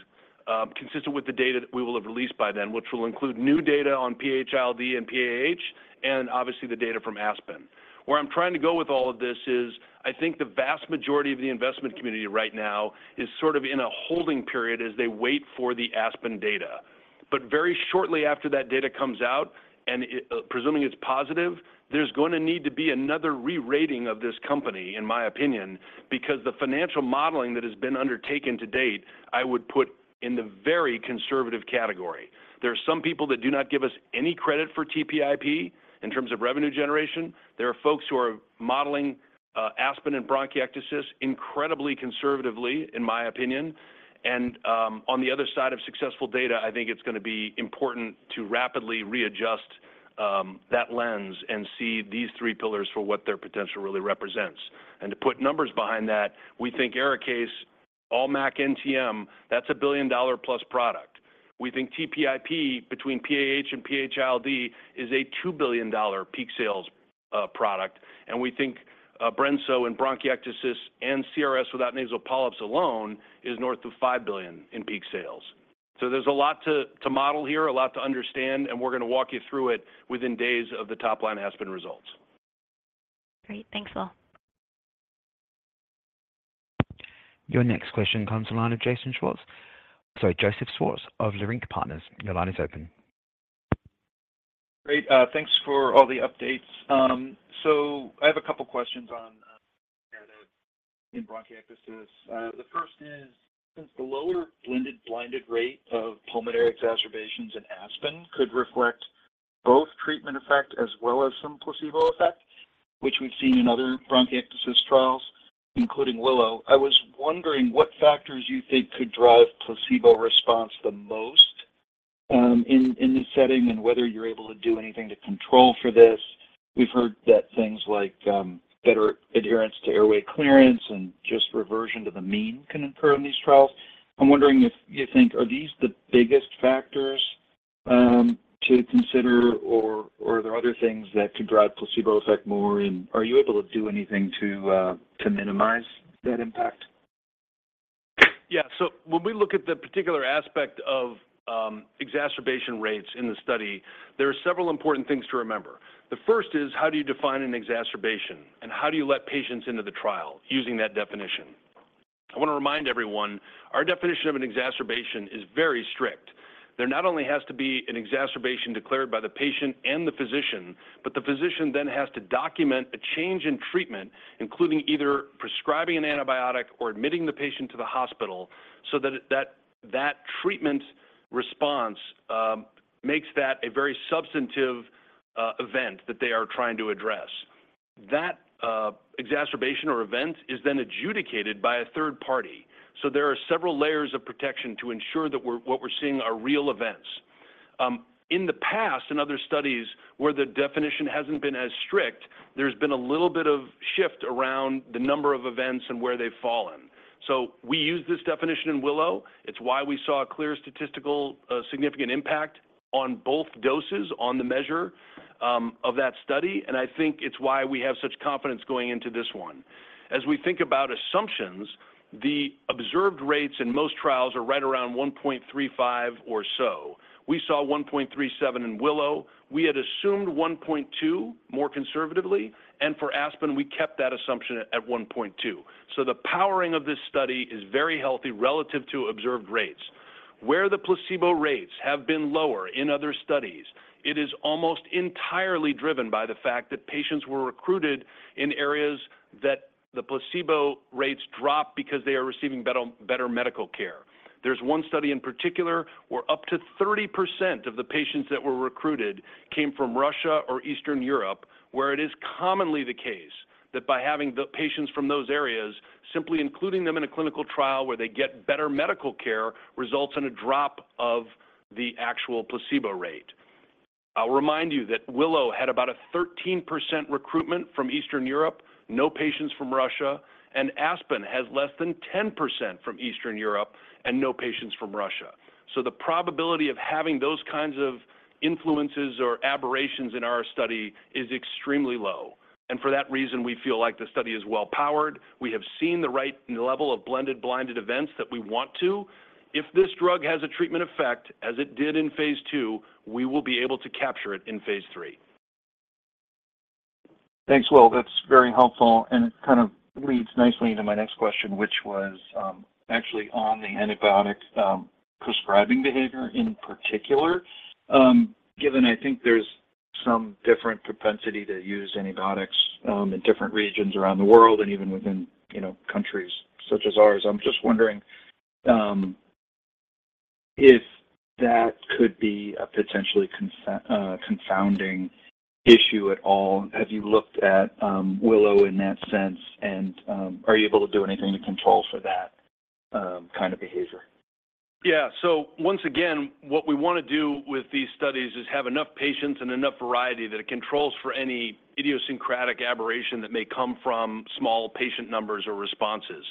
consistent with the data that we will have released by then, which will include new data on PH-ILD and PAH and obviously the data from ASPEN. Where I'm trying to go with all of this is I think the vast majority of the investment community right now is sort of in a holding period as they wait for the ASPEN data. But very shortly after that data comes out, and presuming it's positive, there's going to need to be another rerating of this company, in my opinion, because the financial modeling that has been undertaken to date, I would put in the very conservative category. There are some people that do not give us any credit for TPIP in terms of revenue generation. There are folks who are modeling ASPEN and bronchiectasis incredibly conservatively, in my opinion. And on the other side of successful data, I think it's going to be important to rapidly readjust that lens and see these three pillars for what their potential really represents. To put numbers behind that, we think ARIKAYCE, all MAC NTM, that's a billion-dollar-plus product. We think TPIP between PAH and PH-ILD is a $2 billion peak sales product. And we think brensocatib and bronchiectasis and CRS without nasal polyps alone is north of $5 billion in peak sales. So there's a lot to model here, a lot to understand. And we're going to walk you through it within days of the top-line ASPEN results. Great. Thanks, Will. Your next question comes to the line of Jason Schwartz, sorry, Joseph Schwartz of Leerink Partners. Your line is open. Great. Thanks for all the updates. So I have a couple of questions on brensocatib in bronchiectasis. The first is, since the lower blended blinded rate of pulmonary exacerbations in ASPEN could reflect both treatment effect as well as some placebo effect, which we've seen in other bronchiectasis trials, including WILLOW, I was wondering what factors you think could drive placebo response the most in this setting and whether you're able to do anything to control for this. We've heard that things like better adherence to airway clearance and just reversion to the mean can occur in these trials. I'm wondering if you think are these the biggest factors to consider? Or are there other things that could drive placebo effect more? And are you able to do anything to minimize that impact? Yeah. So when we look at the particular aspect of exacerbation rates in the study, there are several important things to remember. The first is, how do you define an exacerbation? And how do you let patients into the trial using that definition? I want to remind everyone, our definition of an exacerbation is very strict. There not only has to be an exacerbation declared by the patient and the physician, but the physician then has to document a change in treatment, including either prescribing an antibiotic or admitting the patient to the hospital so that that treatment response makes that a very substantive event that they are trying to address. That exacerbation or event is then adjudicated by a third party. So there are several layers of protection to ensure that what we're seeing are real events. In the past and other studies where the definition hasn't been as strict, there's been a little bit of shift around the number of events and where they've fallen. So we use this definition in WILLOW. It's why we saw a clear statistical significant impact on both doses on the measure of that study. And I think it's why we have such confidence going into this one. As we think about assumptions, the observed rates in most trials are right around 1.35 or so. We saw 1.37 in WILLOW. We had assumed 1.2 more conservatively. And for ASPEN, we kept that assumption at 1.2. So the powering of this study is very healthy relative to observed rates. Where the placebo rates have been lower in other studies, it is almost entirely driven by the fact that patients were recruited in areas that the placebo rates drop because they are receiving better medical care. There's one study in particular where up to 30% of the patients that were recruited came from Russia or Eastern Europe, where it is commonly the case that by having the patients from those areas, simply including them in a clinical trial where they get better medical care, results in a drop of the actual placebo rate. I'll remind you that WILLOW had about a 13% recruitment from Eastern Europe, no patients from Russia. And ASPEN has less than 10% from Eastern Europe and no patients from Russia. So the probability of having those kinds of influences or aberrations in our study is extremely low. For that reason, we feel like the study is well-powered. We have seen the right level of blended blinded events that we want to. If this drug has a treatment effect as it did in phase II, we will be able to capture it in phase III. Thanks, Will. That's very helpful. It kind of leads nicely into my next question, which was actually on the antibiotic prescribing behavior in particular, given I think there's some different propensity to use antibiotics in different regions around the world and even within countries such as ours. I'm just wondering if that could be a potentially confounding issue at all. Have you looked at WILLOW in that sense? And are you able to do anything to control for that kind of behavior? Yeah. So once again, what we want to do with these studies is have enough patients and enough variety that it controls for any idiosyncratic aberration that may come from small patient numbers or responses.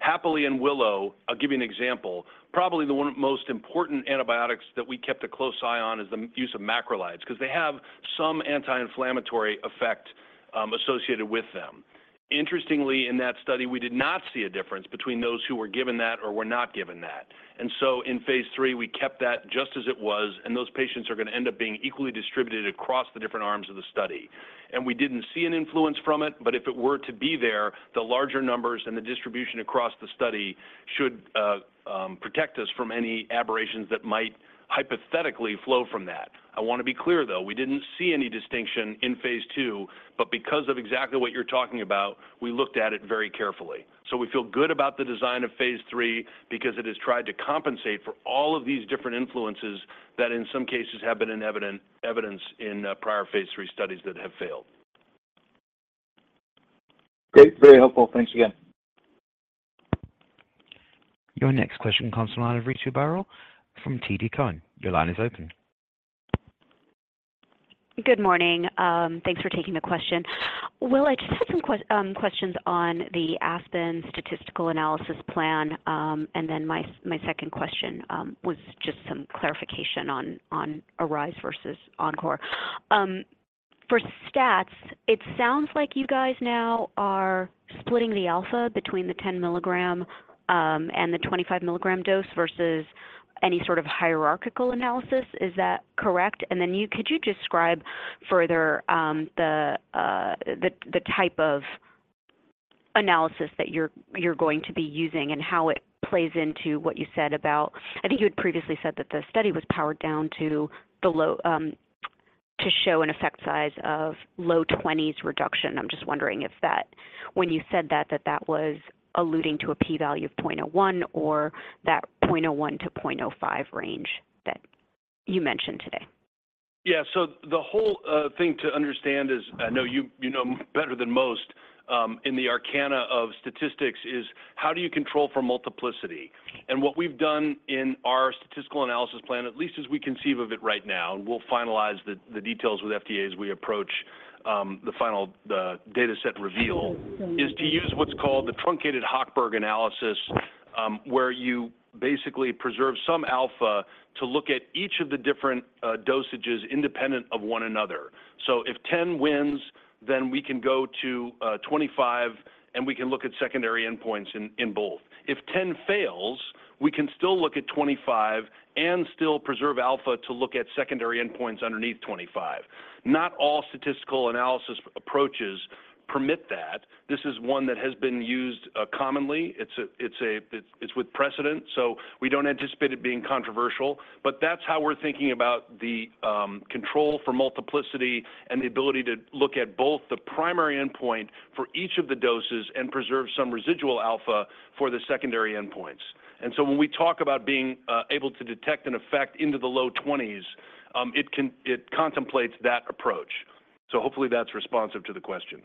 Happily, in WILLOW, I'll give you an example. Probably the one most important antibiotics that we kept a close eye on is the use of macrolides because they have some anti-inflammatory effect associated with them. Interestingly, in that study, we did not see a difference between those who were given that or were not given that. And so in phase III, we kept that just as it was. And those patients are going to end up being equally distributed across the different arms of the study. And we didn't see an influence from it. But if it were to be there, the larger numbers and the distribution across the study should protect us from any aberrations that might hypothetically flow from that. I want to be clear, though. We didn't see any distinction in phase II. But because of exactly what you're talking about, we looked at it very carefully. So we feel good about the design of phase III because it has tried to compensate for all of these different influences that in some cases have been in evidence in prior phase III studies that have failed. Great. Very helpful. Thanks again. Your next question comes to the line of Ritu Baral from TD Cowen. Your line is open. Good morning. Thanks for taking the question. Will, I just had some questions on the ASPEN statistical analysis plan. Then my second question was just some clarification on ARISE versus ENCORE. For stats, it sounds like you guys now are splitting the alpha between the 10-mg and the 25-mg dose versus any sort of hierarchical analysis. Is that correct? And then could you describe further the type of analysis that you're going to be using and how it plays into what you said about I think you had previously said that the study was powered down to show an effect size of low 20s reduction. I'm just wondering if that when you said that, that was alluding to a p-value of 0.01 or that 0.01-0.05 range that you mentioned today. Yeah. So the whole thing to understand is I know you know better than most in the arcana of statistics is how do you control for multiplicity? And what we've done in our statistical analysis plan, at least as we conceive of it right now, and we'll finalize the details with FDA as we approach the final dataset reveal, is to use what's called the truncated Hochberg analysis where you basically preserve some alpha to look at each of the different dosages independent of one another. So if 10 wins, then we can go to 25, and we can look at secondary endpoints in both. If 10 fails, we can still look at 25 and still preserve alpha to look at secondary endpoints underneath 25. Not all statistical analysis approaches permit that. This is one that has been used commonly. It's with precedent. So we don't anticipate it being controversial. But that's how we're thinking about the control for multiplicity and the ability to look at both the primary endpoint for each of the doses and preserve some residual alpha for the secondary endpoints. And so when we talk about being able to detect an effect into the low 20s, it contemplates that approach. So hopefully, that's responsive to the question.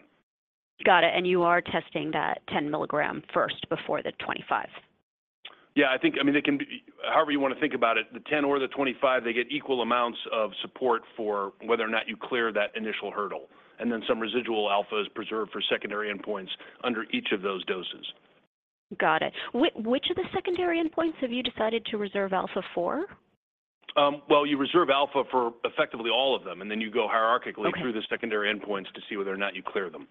Got it. You are testing that 10 mg first before the 25 mg? Yeah. I mean, however you want to think about it, the 10 or the 25, they get equal amounts of support for whether or not you clear that initial hurdle. And then some residual alphas preserve for secondary endpoints under each of those doses. Got it. Which of the secondary endpoints have you decided to reserve alpha for? Well, you reserve alpha for effectively all of them. And then you go hierarchically through the secondary endpoints to see whether or not you clear them.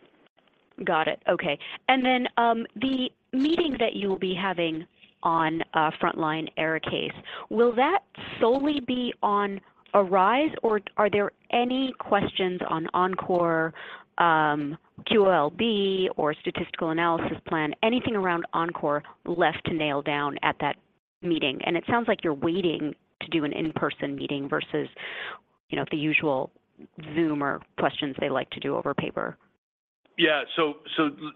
Got it. Okay. And then the meeting that you'll be having on frontline ARIKAYCE, will that solely be on ARISE? Or are there any questions on ENCORE, QOL-B, or statistical analysis plan, anything around ENCORE left to nail down at that meeting? And it sounds like you're waiting to do an in-person meeting versus the usual Zoom or questions they like to do over paper. Yeah. So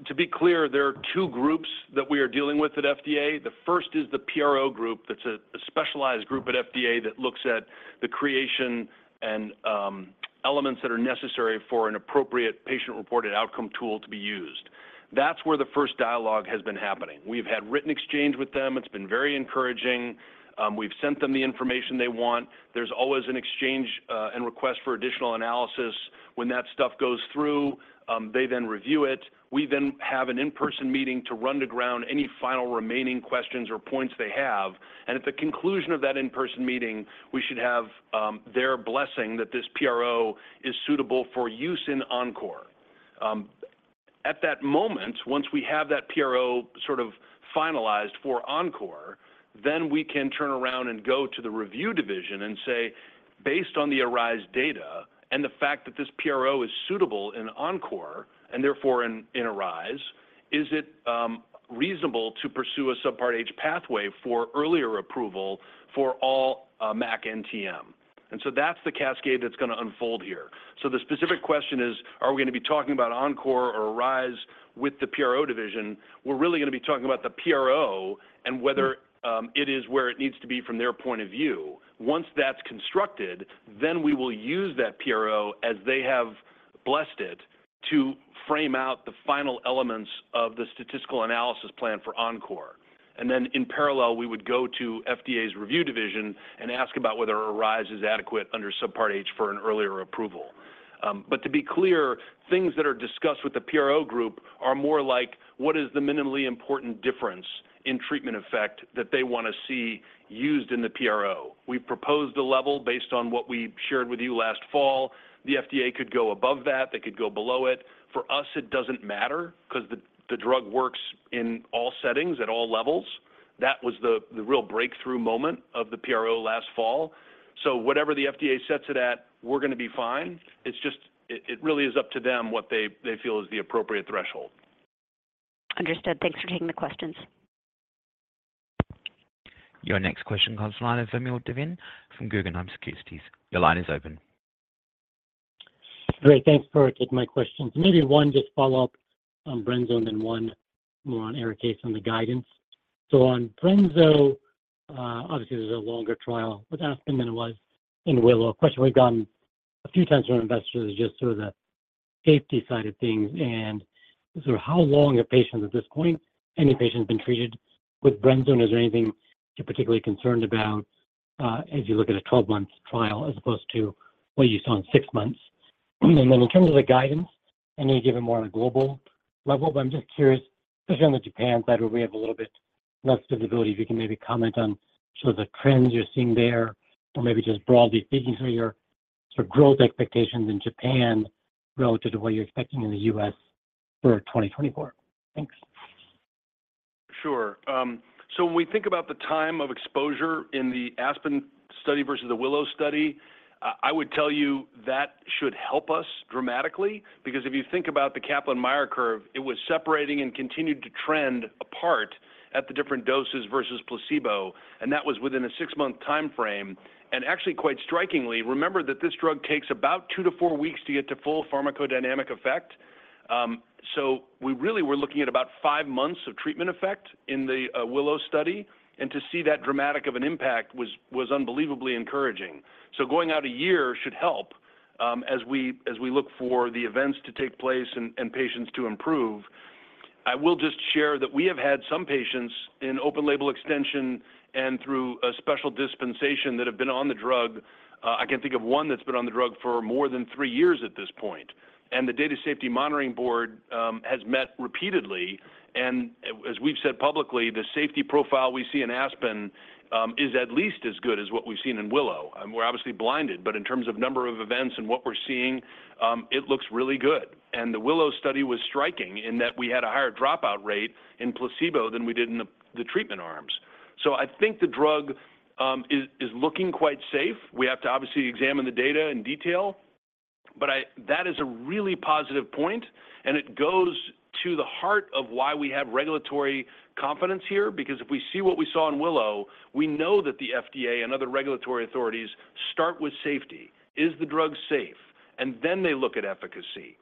to be clear, there are two groups that we are dealing with at FDA. The first is the PRO group. That's a specialized group at FDA that looks at the creation and elements that are necessary for an appropriate patient-reported outcome tool to be used. That's where the first dialogue has been happening. We've had written exchange with them. It's been very encouraging. We've sent them the information they want. There's always an exchange and request for additional analysis. When that stuff goes through, they then review it. We then have an in-person meeting to run to ground any final remaining questions or points they have. And at the conclusion of that in-person meeting, we should have their blessing that this PRO is suitable for use in ENCORE. At that moment, once we have that PRO sort of finalized for ENCORE, then we can turn around and go to the review division and say, "Based on the ARISE data and the fact that this PRO is suitable in ENCORE and therefore in ARISE, is it reasonable to pursue a Subpart H pathway for earlier approval for all MAC NTM?" And so that's the cascade that's going to unfold here. So the specific question is, are we going to be talking about ENCORE or ARISE with the PRO division? We're really going to be talking about the PRO and whether it is where it needs to be from their point of view. Once that's constructed, then we will use that PRO, as they have blessed it, to frame out the final elements of the statistical analysis plan for ENCORE. And then in parallel, we would go to FDA's review division and ask about whether ARISE is adequate under Subpart H for an earlier approval. But to be clear, things that are discussed with the PRO group are more like, what is the minimally important difference in treatment effect that they want to see used in the PRO? We've proposed a level based on what we shared with you last fall. The FDA could go above that. They could go below it. For us, it doesn't matter because the drug works in all settings at all levels. That was the real breakthrough moment of the PRO last fall. So whatever the FDA sets it at, we're going to be fine. It really is up to them what they feel is the appropriate threshold. Understood. Thanks for taking the questions. Your next question comes to the line of Vamil Divan from Guggenheim Securities. Your line is open. Great. Thanks, Will, for taking my questions. Maybe one just follow-up on brensocatib and then one more on ARIKAYCE on the guidance. So on brensocatib, obviously, there's a longer trial with ASPEN than it was in WILLOW. A question we've gotten a few times from investors is just sort of the safety side of things. And sort of how long have patients at this point, any patients, been treated with brensocatib? And is there anything you're particularly concerned about as you look at a 12-month trial as opposed to what you saw in six months? And then in terms of the guidance, I know you gave it more on a global level. I'm just curious, especially on the Japan side where we have a little bit less visibility, if you can maybe comment on sort of the trends you're seeing there or maybe just broadly speaking, sort of your sort of growth expectations in Japan relative to what you're expecting in the U.S. for 2024. Thanks. Sure. So when we think about the time of exposure in the ASPEN study versus the WILLOW study, I would tell you that should help us dramatically because if you think about the Kaplan-Meier curve, it was separating and continued to trend apart at the different doses versus placebo. And that was within a six-month time frame. And actually, quite strikingly, remember that this drug takes about two to four weeks to get to full pharmacodynamic effect. So we really were looking at about 5 months of treatment effect in the WILLOW study. And to see that dramatic of an impact was unbelievably encouraging. So going out a year should help as we look for the events to take place and patients to improve. I will just share that we have had some patients in open-label extension and through a special dispensation that have been on the drug. I can think of one that's been on the drug for more than three years at this point. The Data Safety Monitoring Board has met repeatedly. As we've said publicly, the safety profile we see in ASPEN is at least as good as what we've seen in WILLOW. We're obviously blinded. In terms of number of events and what we're seeing, it looks really good. The WILLOW study was striking in that we had a higher dropout rate in placebo than we did in the treatment arms. I think the drug is looking quite safe. We have to obviously examine the data in detail. That is a really positive point. It goes to the heart of why we have regulatory confidence here because if we see what we saw in WILLOW, we know that the FDA and other regulatory authorities start with safety. Is the drug safe? Then they look at efficacy.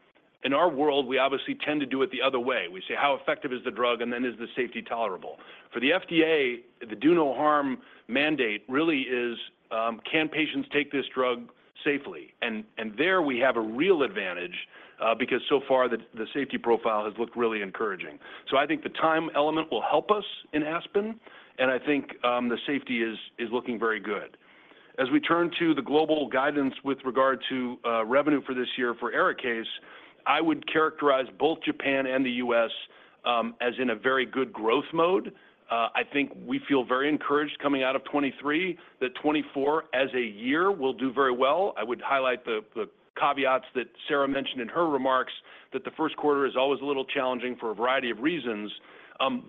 In our world, we obviously tend to do it the other way. We say, "How effective is the drug? And then is the safety tolerable?" For the FDA, the do-no-harm mandate really is, "Can patients take this drug safely?" And there, we have a real advantage because so far, the safety profile has looked really encouraging. So I think the time element will help us in ASPEN. And I think the safety is looking very good. As we turn to the global guidance with regard to revenue for this year for ARIKAYCE, I would characterize both Japan and the U.S. as in a very good growth mode. I think we feel very encouraged coming out of 2023 that 2024 as a year will do very well. I would highlight the caveats that Sara mentioned in her remarks that the first quarter is always a little challenging for a variety of reasons.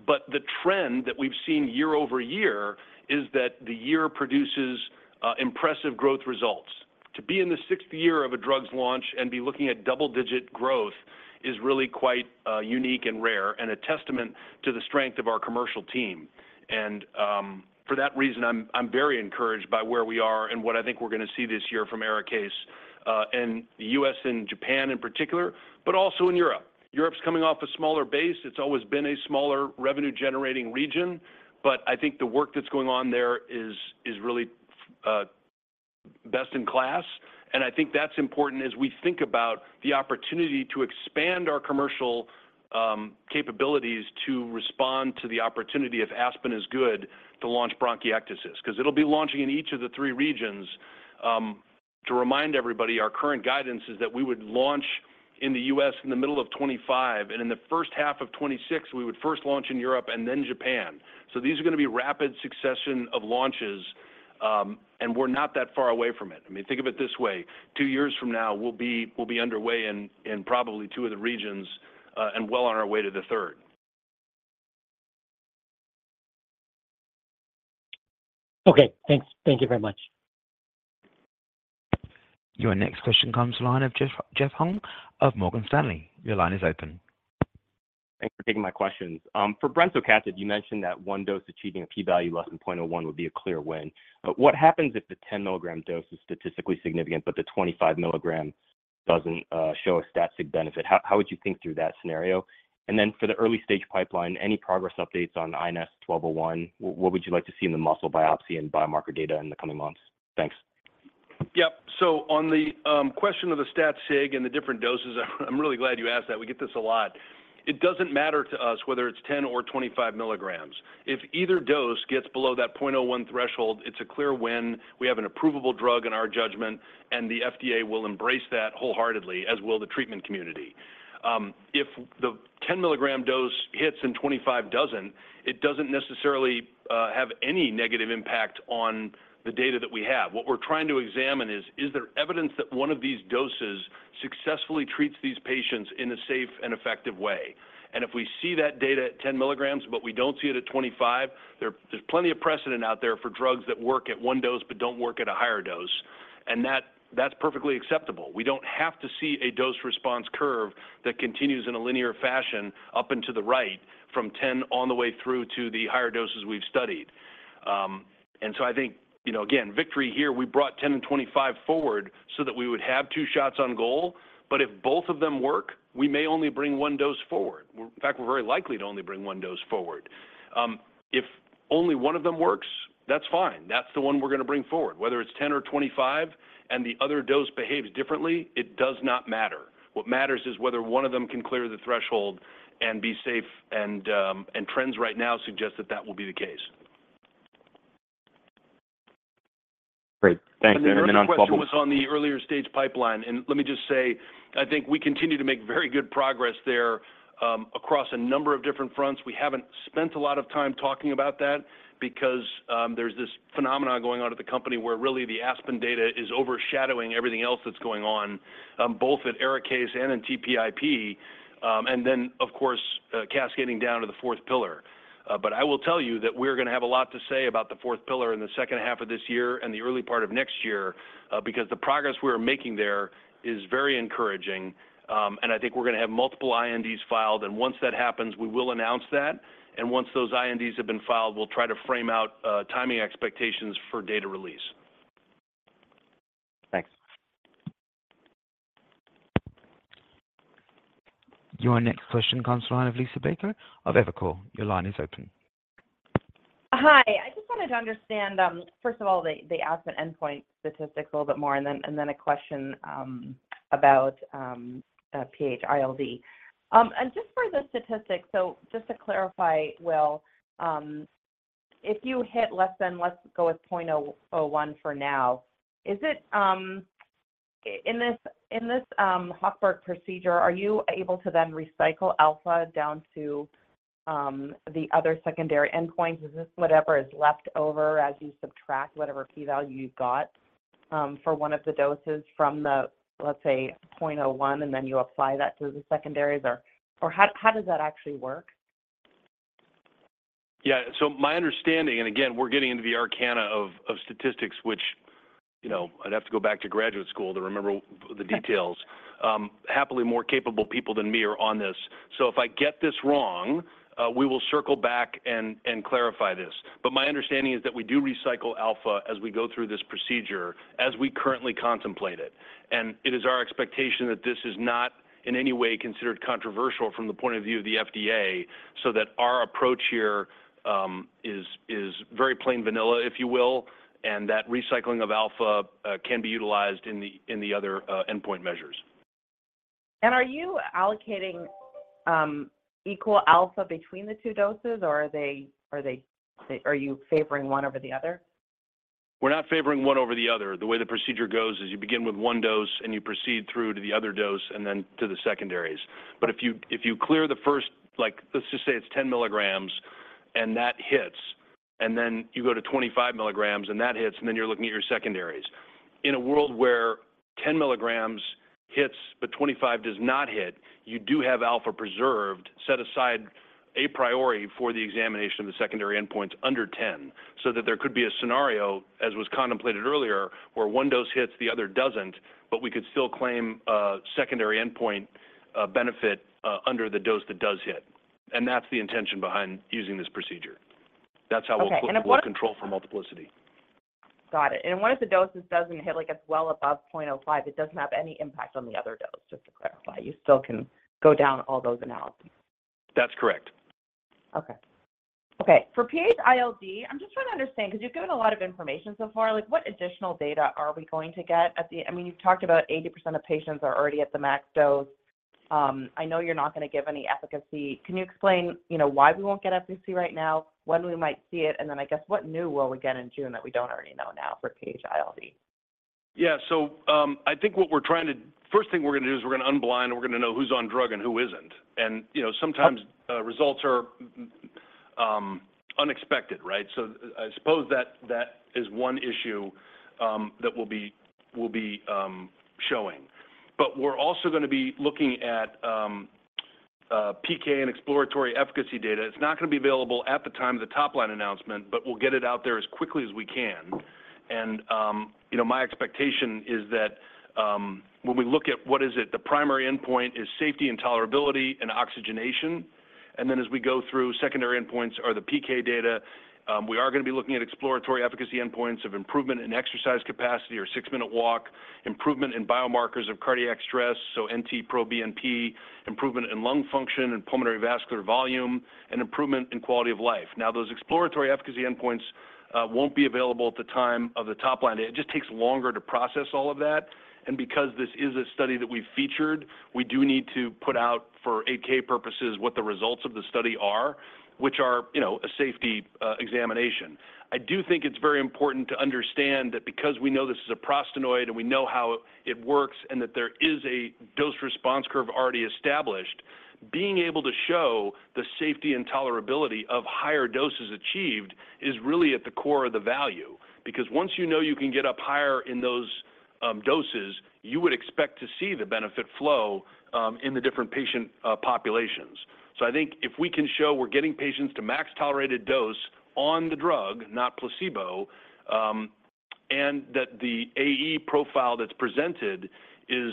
But the trend that we've seen year-over-year is that the year produces impressive growth results. To be in the sixth year of a drug's launch and be looking at double-digit growth is really quite unique and rare and a testament to the strength of our commercial team. And for that reason, I'm very encouraged by where we are and what I think we're going to see this year from ARIKAYCE in the U.S. and Japan in particular but also in Europe. Europe's coming off a smaller base. It's always been a smaller revenue-generating region. But I think the work that's going on there is really best in class. I think that's important as we think about the opportunity to expand our commercial capabilities to respond to the opportunity if ASPEN is good to launch bronchiectasis because it'll be launching in each of the three regions. To remind everybody, our current guidance is that we would launch in the U.S. in the middle of 2025. In the first half of 2026, we would first launch in Europe and then Japan. These are going to be rapid succession of launches. We're not that far away from it. I mean, think of it this way. Two years from now, we'll be underway in probably two of the regions and well on our way to the third. Okay. Thank you very much. Your next question comes to the line of Jeff Hung of Morgan Stanley. Your line is open. Thanks for taking my questions. For brensocatib, you mentioned that one dose achieving a p-value less than 0.01 would be a clear win. What happens if the 10-mg dose is statistically significant but the 25 mg doesn't show a stat-sig benefit? How would you think through that scenario? And then for the early-stage pipeline, any progress updates on INS1201? What would you like to see in the muscle biopsy and biomarker data in the coming months? Thanks. Yep. So on the question of the stat-sig and the different doses, I'm really glad you asked that. We get this a lot. It doesn't matter to us whether it's 10 mg or 25 mg. If either dose gets below that 0.01 threshold, it's a clear win. We have an approvable drug in our judgment. And the FDA will embrace that wholeheartedly, as will the treatment community. If the 10 mg dose hits and 25 mg doesn't, it doesn't necessarily have any negative impact on the data that we have. What we're trying to examine is, is there evidence that one of these doses successfully treats these patients in a safe and effective way? And if we see that data at 10 mg but we don't see it at 25 mg, there's plenty of precedent out there for drugs that work at one dose but don't work at a higher dose. That's perfectly acceptable. We don't have to see a dose-response curve that continues in a linear fashion up and to the right from 10 on the way through to the higher doses we've studied. And so I think, again, victory here. We brought 10 and 25 forward so that we would have two shots on goal. But if both of them work, we may only bring one dose forward. In fact, we're very likely to only bring one dose forward. If only one of them works, that's fine. That's the one we're going to bring forward. Whether it's 10 or 25 and the other dose behaves differently, it does not matter. What matters is whether one of them can clear the threshold and be safe. And trends right now suggest that that will be the case. Great. Thanks. Then one question was on the earlier-stage pipeline. Let me just say, I think we continue to make very good progress there across a number of different fronts. We haven't spent a lot of time talking about that because there's this phenomenon going on at the company where really the ASPEN data is overshadowing everything else that's going on, both at ARIKAYCE and in TPIP, and then, of course, cascading down to the fourth pillar. But I will tell you that we're going to have a lot to say about the fourth pillar in the second half of this year and the early part of next year because the progress we are making there is very encouraging. And I think we're going to have multiple INDs filed. And once that happens, we will announce that. Once those INDs have been filed, we'll try to frame out timing expectations for data release. Thanks. Your next question comes to the line of Liisa Bayko of Evercore. Your line is open. Hi. I just wanted to understand, first of all, the ASPEN endpoint statistics a little bit more and then a question about PH-ILD. And just for the statistics, so just to clarify, Will, if you hit less than, let's go with 0.01 for now, in this Hochberg procedure, are you able to then recycle alpha down to the other secondary endpoints? Is this whatever is left over as you subtract whatever p-value you've got for one of the doses from the, let's say, 0.01, and then you apply that to the secondaries? Or how does that actually work? Yeah. So my understanding, and again, we're getting into the arcana of statistics, which I'd have to go back to graduate school to remember the details. Happily, more capable people than me are on this. So if I get this wrong, we will circle back and clarify this. But my understanding is that we do recycle alpha as we go through this procedure, as we currently contemplate it. And it is our expectation that this is not in any way considered controversial from the point of view of the FDA so that our approach here is very plain vanilla, if you will, and that recycling of alpha can be utilized in the other endpoint measures. Are you allocating equal alpha between the two doses? Or are you favoring one over the other? We're not favoring one over the other. The way the procedure goes is you begin with one dose, and you proceed through to the other dose and then to the secondaries. But if you clear the first, let's just say it's 10 mg, and that hits, and then you go to 25 mg, and that hits, and then you're looking at your secondaries. In a world where 10 mg hits but 25 mgdoes not hit, you do have alpha preserved, set aside a priori for the examination of the secondary endpoints under 10 mg so that there could be a scenario, as was contemplated earlier, where one dose hits, the other doesn't, but we could still claim a secondary endpoint benefit under the dose that does hit. And that's the intention behind using this procedure. That's how we'll control for multiplicity. Got it. And what if the dose that doesn't hit gets well above 0.05? It doesn't have any impact on the other dose, just to clarify. You still can go down all those analyses. That's correct. Okay. Okay. For PH-ILD, I'm just trying to understand because you've given a lot of information so far. What additional data are we going to get at the, I mean, you've talked about 80% of patients are already at the max dose. I know you're not going to give any efficacy. Can you explain why we won't get efficacy right now, when we might see it, and then, I guess, what new will we get in June that we don't already know now for PH-ILD? Yeah. So I think what we're trying to first thing we're going to do is we're going to unblind, and we're going to know who's on drug and who isn't. And sometimes, results are unexpected, right? So I suppose that is one issue that we'll be showing. But we're also going to be looking at PK and exploratory efficacy data. It's not going to be available at the time of the topline announcement, but we'll get it out there as quickly as we can. And my expectation is that when we look at what is it, the primary endpoint is safety and tolerability and oxygenation. And then as we go through, secondary endpoints are the PK data. We are going to be looking at exploratory efficacy endpoints of improvement in exercise capacity or six-minute walk, improvement in biomarkers of cardiac stress, so NT-proBNP, improvement in lung function and pulmonary vascular volume, and improvement in quality of life. Now, those exploratory efficacy endpoints won't be available at the time of the topline data. It just takes longer to process all of that. Because this is a study that we've featured, we do need to put out for 8K purposes what the results of the study are, which are a safety examination. I do think it's very important to understand that because we know this is a prostanoid, and we know how it works, and that there is a dose-response curve already established, being able to show the safety and tolerability of higher doses achieved is really at the core of the value because once you know you can get up higher in those doses, you would expect to see the benefit flow in the different patient populations. So I think if we can show we're getting patients to max tolerated dose on the drug, not placebo, and that the AE profile that's presented is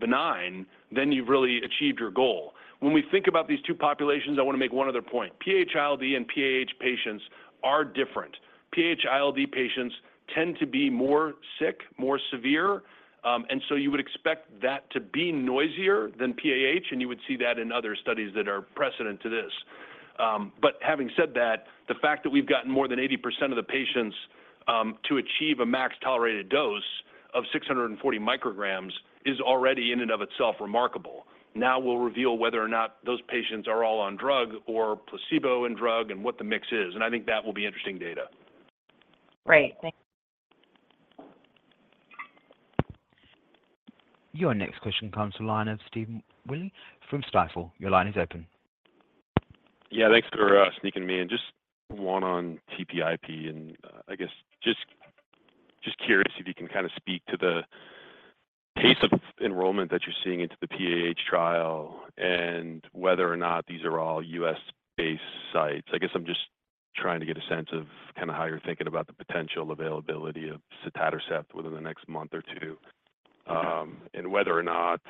benign, then you've really achieved your goal. When we think about these two populations, I want to make one other point. PH-ILD and PAH patients are different. PH-ILD patients tend to be more sick, more severe. And so you would expect that to be noisier than PAH. And you would see that in other studies that are precedent to this. But having said that, the fact that we've gotten more than 80% of the patients to achieve a max tolerated dose of 640 micrograms is already in and of itself remarkable. Now, we'll reveal whether or not those patients are all on drug or placebo and drug and what the mix is. And I think that will be interesting data. Great. Thank you. Your next question comes to the line of Stephen Willey from Stifel. Your line is open. Yeah. Thanks for sneaking me in. Just one on TPIP. And I guess just curious if you can kind of speak to the pace of enrollment that you're seeing into the PAH trial and whether or not these are all U.S.-based sites. I guess I'm just trying to get a sense of kind of how you're thinking about the potential availability of sotatercept within the next month or two and whether or not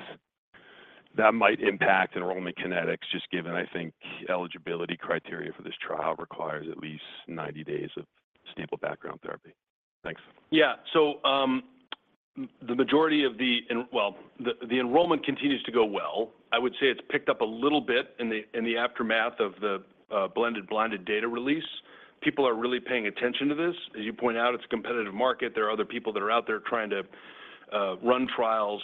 that might impact enrollment kinetics just given, I think, eligibility criteria for this trial requires at least 90 days of stable background therapy. Thanks. Yeah. So the majority of the enrollment continues to go well. I would say it's picked up a little bit in the aftermath of the blended blinded data release. People are really paying attention to this. As you point out, it's a competitive market. There are other people that are out there trying to run trials.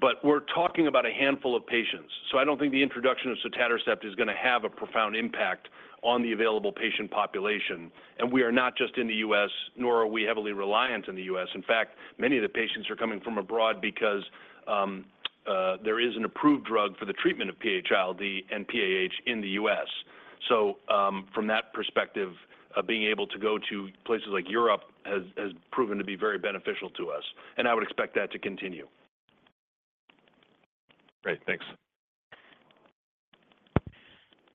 But we're talking about a handful of patients. So I don't think the introduction of sotatercept is going to have a profound impact on the available patient population. And we are not just in the U.S., nor are we heavily reliant in the U.S. In fact, many of the patients are coming from abroad because there is an approved drug for the treatment of PH-ILD and PAH in the U.S. So from that perspective, being able to go to places like Europe has proven to be very beneficial to us. And I would expect that to continue. Great. Thanks.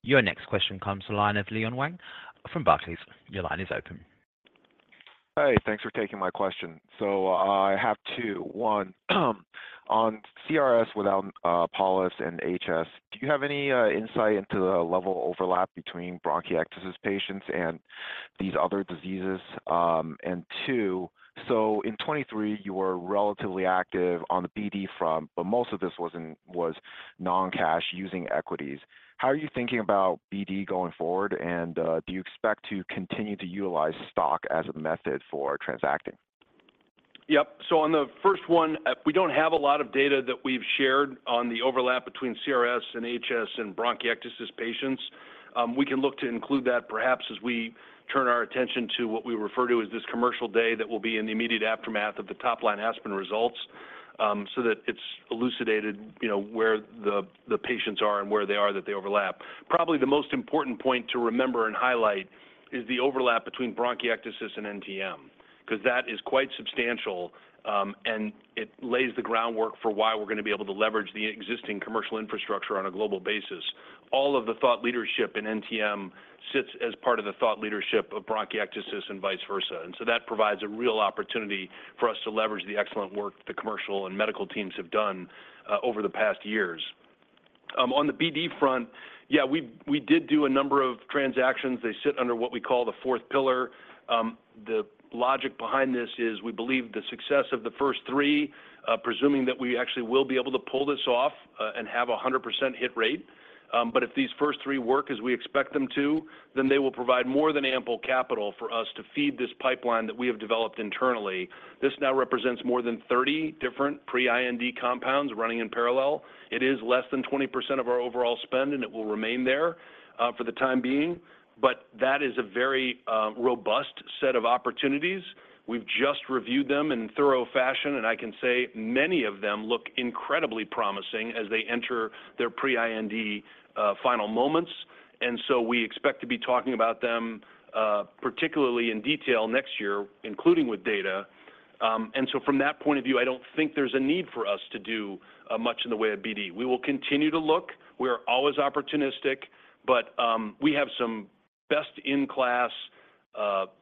Your next question comes to the line of Leon Wang from Barclays. Your line is open. Hey. Thanks for taking my question. So I have two. One, on CRS without polyps and HS, do you have any insight into the level of overlap between bronchiectasis patients and these other diseases? And two, so in 2023, you were relatively active on the BD front but most of this was non-cash using equities. How are you thinking about BD going forward? And do you expect to continue to utilize stock as a method for transacting? Yep. So on the first one, we don't have a lot of data that we've shared on the overlap between CRS and HS and bronchiectasis patients. We can look to include that perhaps as we turn our attention to what we refer to as this commercial day that will be in the immediate aftermath of the topline ASPEN results so that it's elucidated where the patients are and where they are that they overlap. Probably the most important point to remember and highlight is the overlap between bronchiectasis and NTM because that is quite substantial. And it lays the groundwork for why we're going to be able to leverage the existing commercial infrastructure on a global basis. All of the thought leadership in NTM sits as part of the thought leadership of bronchiectasis and vice versa. And so that provides a real opportunity for us to leverage the excellent work the commercial and medical teams have done over the past years. On the BD front, yeah, we did do a number of transactions. They sit under what we call the fourth pillar. The logic behind this is we believe the success of the first three, presuming that we actually will be able to pull this off and have a 100% hit rate. But if these first three work as we expect them to, then they will provide more than ample capital for us to feed this pipeline that we have developed internally. This now represents more than 30 different pre-IND compounds running in parallel. It is less than 20% of our overall spend, and it will remain there for the time being. But that is a very robust set of opportunities. We've just reviewed them in thorough fashion. I can say many of them look incredibly promising as they enter their pre-IND final moments. So we expect to be talking about them particularly in detail next year, including with data. From that point of view, I don't think there's a need for us to do much in the way of BD. We will continue to look. We are always opportunistic. But we have some best-in-class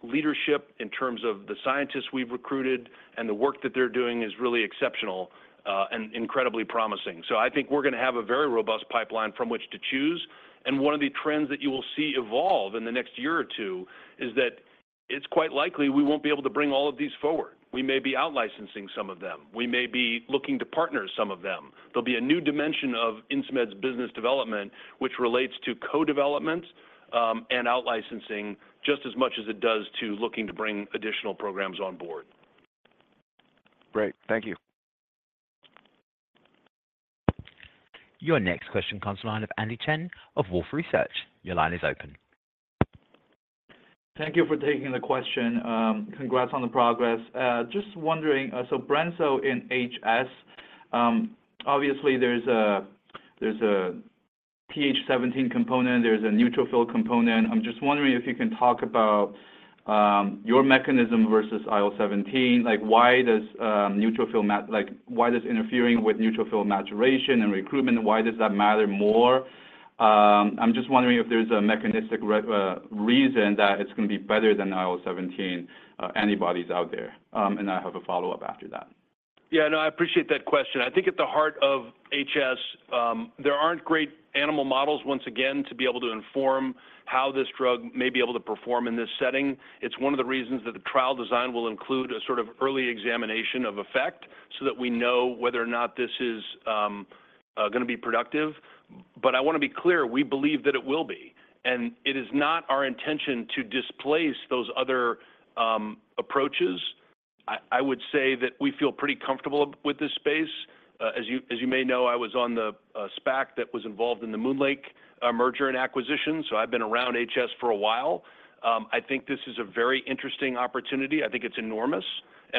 leadership in terms of the scientists we've recruited. The work that they're doing is really exceptional and incredibly promising. So I think we're going to have a very robust pipeline from which to choose. One of the trends that you will see evolve in the next year or two is that it's quite likely we won't be able to bring all of these forward. We may be outlicensing some of them. We may be looking to partner some of them. There'll be a new dimension of Insmed's business development which relates to co-development and outlicensing just as much as it does to looking to bring additional programs on board. Great. Thank you. Your next question comes to the line of Andy Chen of Wolfe Research. Your line is open. Thank you for taking the question. Congrats on the progress. Just wondering, so brensocatib in HS, obviously, there's an IL-17 component. There's a neutrophil component. I'm just wondering if you can talk about your mechanism versus IL-17. Why does interfering with neutrophil maturation and recruitment matter more? I'm just wondering if there's a mechanistic reason that it's going to be better than IL-17 antibodies out there. And I have a follow-up after that. Yeah. No, I appreciate that question. I think at the heart of HS, there aren't great animal models, once again, to be able to inform how this drug may be able to perform in this setting. It's one of the reasons that the trial design will include a sort of early examination of effect so that we know whether or not this is going to be productive. But I want to be clear. We believe that it will be. It is not our intention to displace those other approaches. I would say that we feel pretty comfortable with this space. As you may know, I was on the SPAC that was involved in the MoonLake merger and acquisition. I've been around HS for a while. I think this is a very interesting opportunity. I think it's enormous.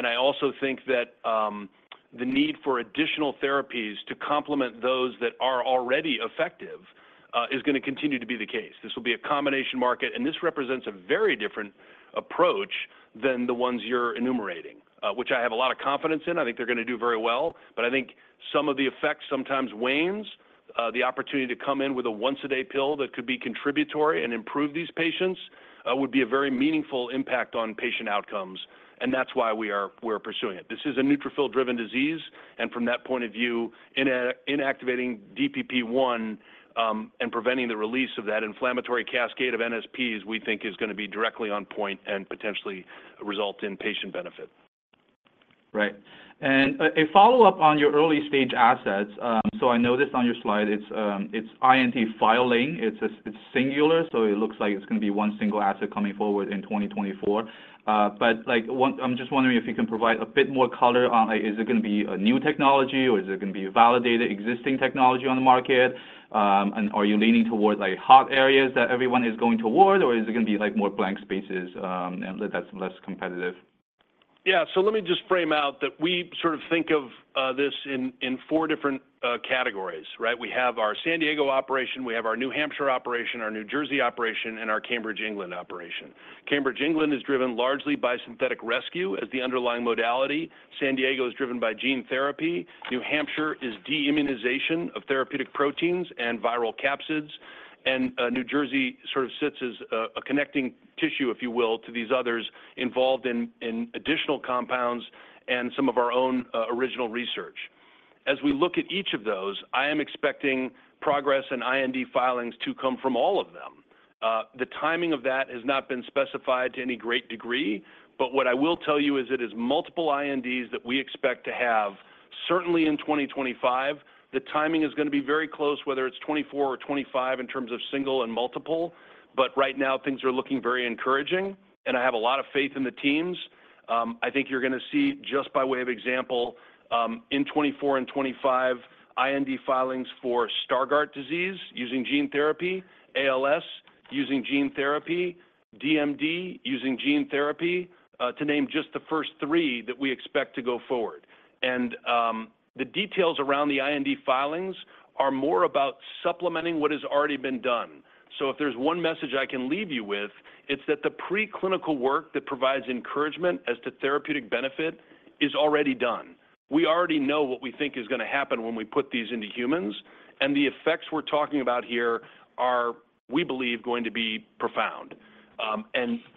I also think that the need for additional therapies to complement those that are already effective is going to continue to be the case. This will be a combination market. This represents a very different approach than the ones you're enumerating, which I have a lot of confidence in. I think they're going to do very well. I think some of the effect sometimes wanes. The opportunity to come in with a once-a-day pill that could be contributory and improve these patients would be a very meaningful impact on patient outcomes. That's why we're pursuing it. This is a neutrophil-driven disease. From that point of view, inactivating DPP-1 and preventing the release of that inflammatory cascade of NSPs, we think, is going to be directly on point and potentially result in patient benefit. Right. And a follow-up on your early-stage assets. So I know this on your slide. It's IND filing. It's singular. So it looks like it's going to be one single asset coming forward in 2024. But I'm just wondering if you can provide a bit more color on is it going to be a new technology, or is it going to be validated existing technology on the market? And are you leaning towards hot areas that everyone is going toward, or is it going to be more blank spaces that's less competitive? Yeah. So let me just frame out that we sort of think of this in four different categories, right? We have our San Diego operation. We have our New Hampshire operation, our New Jersey operation, and our Cambridge, England operation. Cambridge, England is driven largely by synthetic rescue as the underlying modality. San Diego is driven by gene therapy. New Hampshire is deimmunization of therapeutic proteins and viral capsids. And New Jersey sort of sits as a connecting tissue, if you will, to these others involved in additional compounds and some of our own original research. As we look at each of those, I am expecting progress in IND filings to come from all of them. The timing of that has not been specified to any great degree. But what I will tell you is it is multiple INDs that we expect to have. Certainly, in 2025, the timing is going to be very close, whether it's 2024 or 2025, in terms of single and multiple. But right now, things are looking very encouraging. And I have a lot of faith in the teams. I think you're going to see, just by way of example, in 2024 and 2025, IND filings for Stargardt disease using gene therapy, ALS using gene therapy, DMD using gene therapy, to name just the first three that we expect to go forward. And the details around the IND filings are more about supplementing what has already been done. So if there's one message I can leave you with, it's that the preclinical work that provides encouragement as to therapeutic benefit is already done. We already know what we think is going to happen when we put these into humans. The effects we're talking about here are, we believe, going to be profound.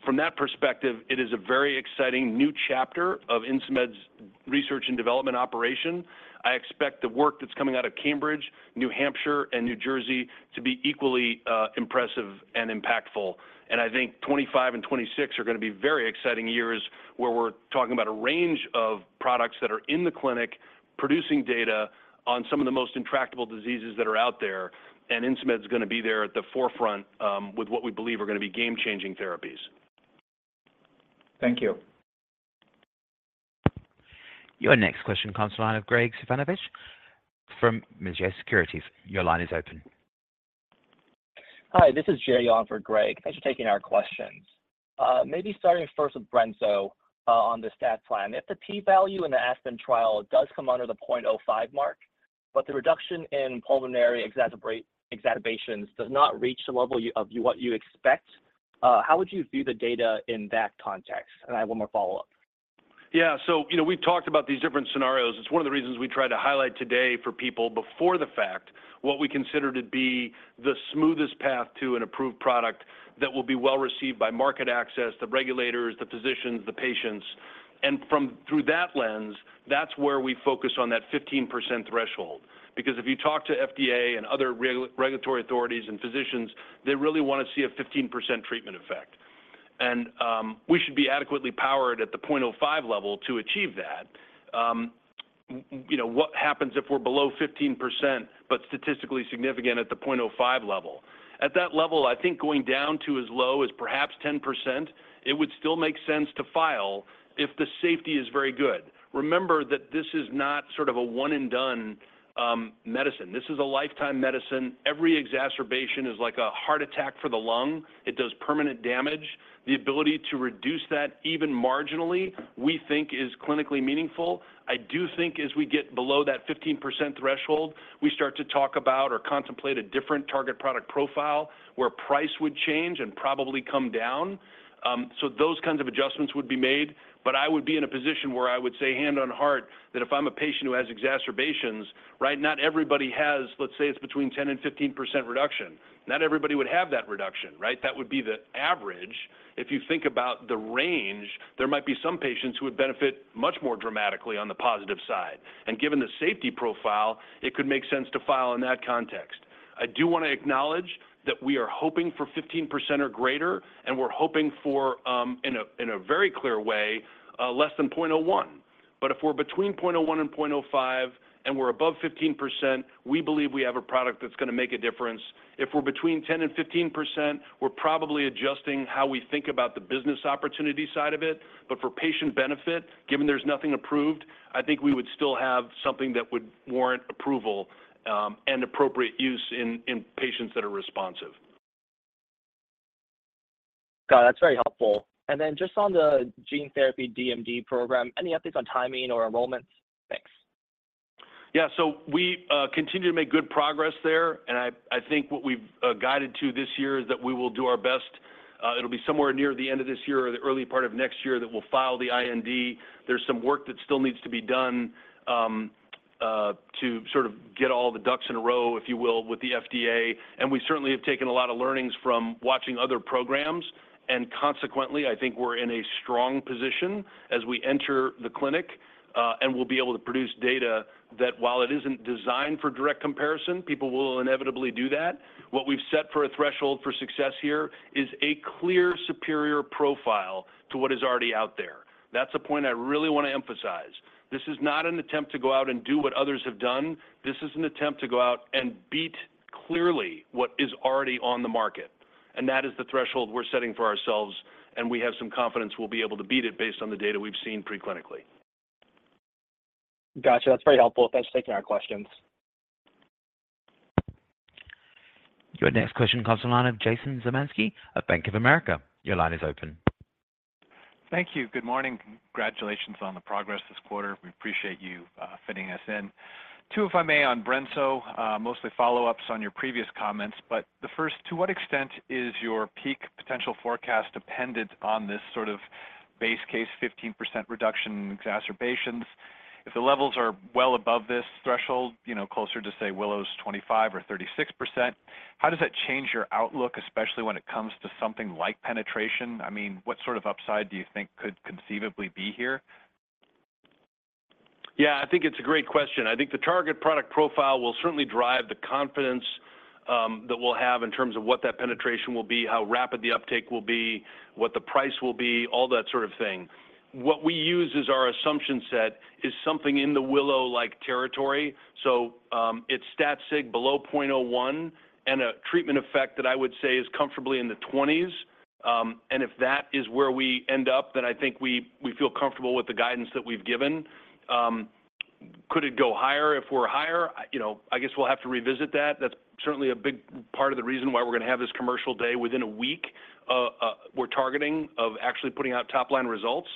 From that perspective, it is a very exciting new chapter of Insmed's research and development operation. I expect the work that's coming out of Cambridge, New Hampshire, and New Jersey to be equally impressive and impactful. I think 2025 and 2026 are going to be very exciting years where we're talking about a range of products that are in the clinic producing data on some of the most intractable diseases that are out there. Insmed's going to be there at the forefront with what we believe are going to be game-changing therapies. Thank you. Your next question comes to the line of Greg Fraser from Jefferies Securities. Your line is open. Hi. This is Jerry on for Greg. Thanks for taking our questions. Maybe starting first with brensocatib on the STAT plan. If the p-value in the ASPEN trial does come under the 0.05 mark, but the reduction in pulmonary exacerbations does not reach the level of what you expect, how would you view the data in that context? And I have one more follow-up. Yeah. So we've talked about these different scenarios. It's one of the reasons we tried to highlight today for people before the fact what we consider to be the smoothest path to an approved product that will be well received by market access, the regulators, the physicians, the patients. And through that lens, that's where we focus on that 15% threshold because if you talk to FDA and other regulatory authorities and physicians, they really want to see a 15% treatment effect. And we should be adequately powered at the 0.05 level to achieve that. What happens if we're below 15% but statistically significant at the 0.05 level? At that level, I think going down to as low as perhaps 10%, it would still make sense to file if the safety is very good. Remember that this is not sort of a one-and-done medicine. This is a lifetime medicine. Every exacerbation is like a heart attack for the lung. It does permanent damage. The ability to reduce that even marginally, we think, is clinically meaningful. I do think as we get below that 15% threshold, we start to talk about or contemplate a different target product profile where price would change and probably come down. So those kinds of adjustments would be made. But I would be in a position where I would say hand on heart that if I'm a patient who has exacerbations, right, not everybody has let's say it's between 10%-15% reduction. Not everybody would have that reduction, right? That would be the average. If you think about the range, there might be some patients who would benefit much more dramatically on the positive side. And given the safety profile, it could make sense to file in that context. I do want to acknowledge that we are hoping for 15% or greater. We're hoping for, in a very clear way, less than 0.01. But if we're between 0.01-0.05 and we're above 15%, we believe we have a product that's going to make a difference. If we're between 10%-15%, we're probably adjusting how we think about the business opportunity side of it. But for patient benefit, given there's nothing approved, I think we would still have something that would warrant approval and appropriate use in patients that are responsive. Got it. That's very helpful. And then just on the gene therapy DMD program, any updates on timing or enrollments? Thanks. Yeah. We continue to make good progress there. I think what we've guided to this year is that we will do our best. It'll be somewhere near the end of this year or the early part of next year that we'll file the IND. There's some work that still needs to be done to sort of get all the ducks in a row, if you will, with the FDA. We certainly have taken a lot of learnings from watching other programs. Consequently, I think we're in a strong position as we enter the clinic. We'll be able to produce data that while it isn't designed for direct comparison, people will inevitably do that. What we've set for a threshold for success here is a clear superior profile to what is already out there. That's a point I really want to emphasize. This is not an attempt to go out and do what others have done. This is an attempt to go out and beat clearly what is already on the market. And that is the threshold we're setting for ourselves. And we have some confidence we'll be able to beat it based on the data we've seen preclinically. Gotcha. That's very helpful. Thanks for taking our questions. Your next question comes to the line of Jason Zemansky of Bank of America. Your line is open. Thank you. Good morning. Congratulations on the progress this quarter. We appreciate you fitting us in. Two, if I may, on brensocatib, mostly follow-ups on your previous comments. But the first, to what extent is your peak potential forecast dependent on this sort of base case, 15% reduction in exacerbations? If the levels are well above this threshold, closer to, say, WILLOW's 25% or 36%, how does that change your outlook, especially when it comes to something like penetration? I mean, what sort of upside do you think could conceivably be here? Yeah. I think it's a great question. I think the target product profile will certainly drive the confidence that we'll have in terms of what that penetration will be, how rapid the uptake will be, what the price will be, all that sort of thing. What we use as our assumption set is something in the WILLOW-like territory. So it's stat-sig below 0.01 and a treatment effect that I would say is comfortably in the 20s. And if that is where we end up, then I think we feel comfortable with the guidance that we've given. Could it go higher? If we're higher, I guess we'll have to revisit that. That's certainly a big part of the reason why we're going to have this commercial day within a week we're targeting of actually putting out top-line results.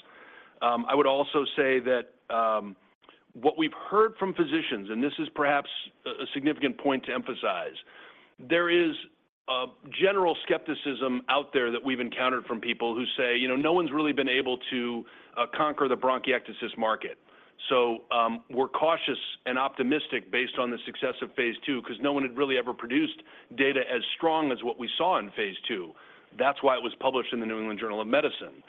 I would also say that what we've heard from physicians and this is perhaps a significant point to emphasize, there is general skepticism out there that we've encountered from people who say, "No one's really been able to conquer the bronchiectasis market." So we're cautious and optimistic based on the success of phase II because no one had really ever produced data as strong as what we saw in phase II. That's why it was published in the New England Journal of Medicine.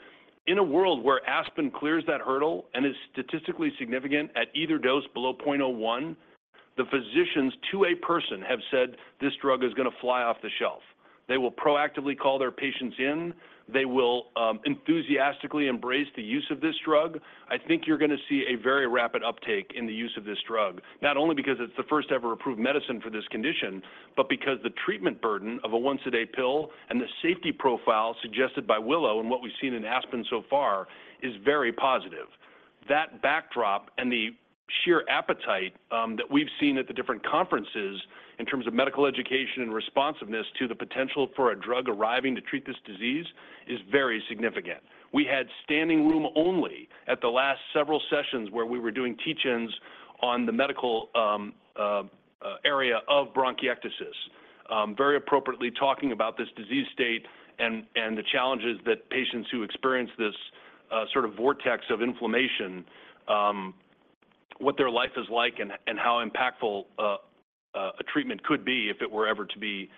In a world where ASPEN clears that hurdle and is statistically significant at either dose below 0.01, the physicians to a person have said, "This drug is going to fly off the shelf." They will proactively call their patients in. They will enthusiastically embrace the use of this drug. I think you're going to see a very rapid uptake in the use of this drug, not only because it's the first-ever approved medicine for this condition, but because the treatment burden of a once-a-day pill and the safety profile suggested by WILLOW and what we've seen in ASPEN so far is very positive. That backdrop and the sheer appetite that we've seen at the different conferences in terms of medical education and responsiveness to the potential for a drug arriving to treat this disease is very significant. We had standing room only at the last several sessions where we were doing teach-ins on the medical area of bronchiectasis, very appropriately talking about this disease state and the challenges that patients who experience this sort of vortex of inflammation, what their life is like, and how impactful a treatment could be if it were ever to be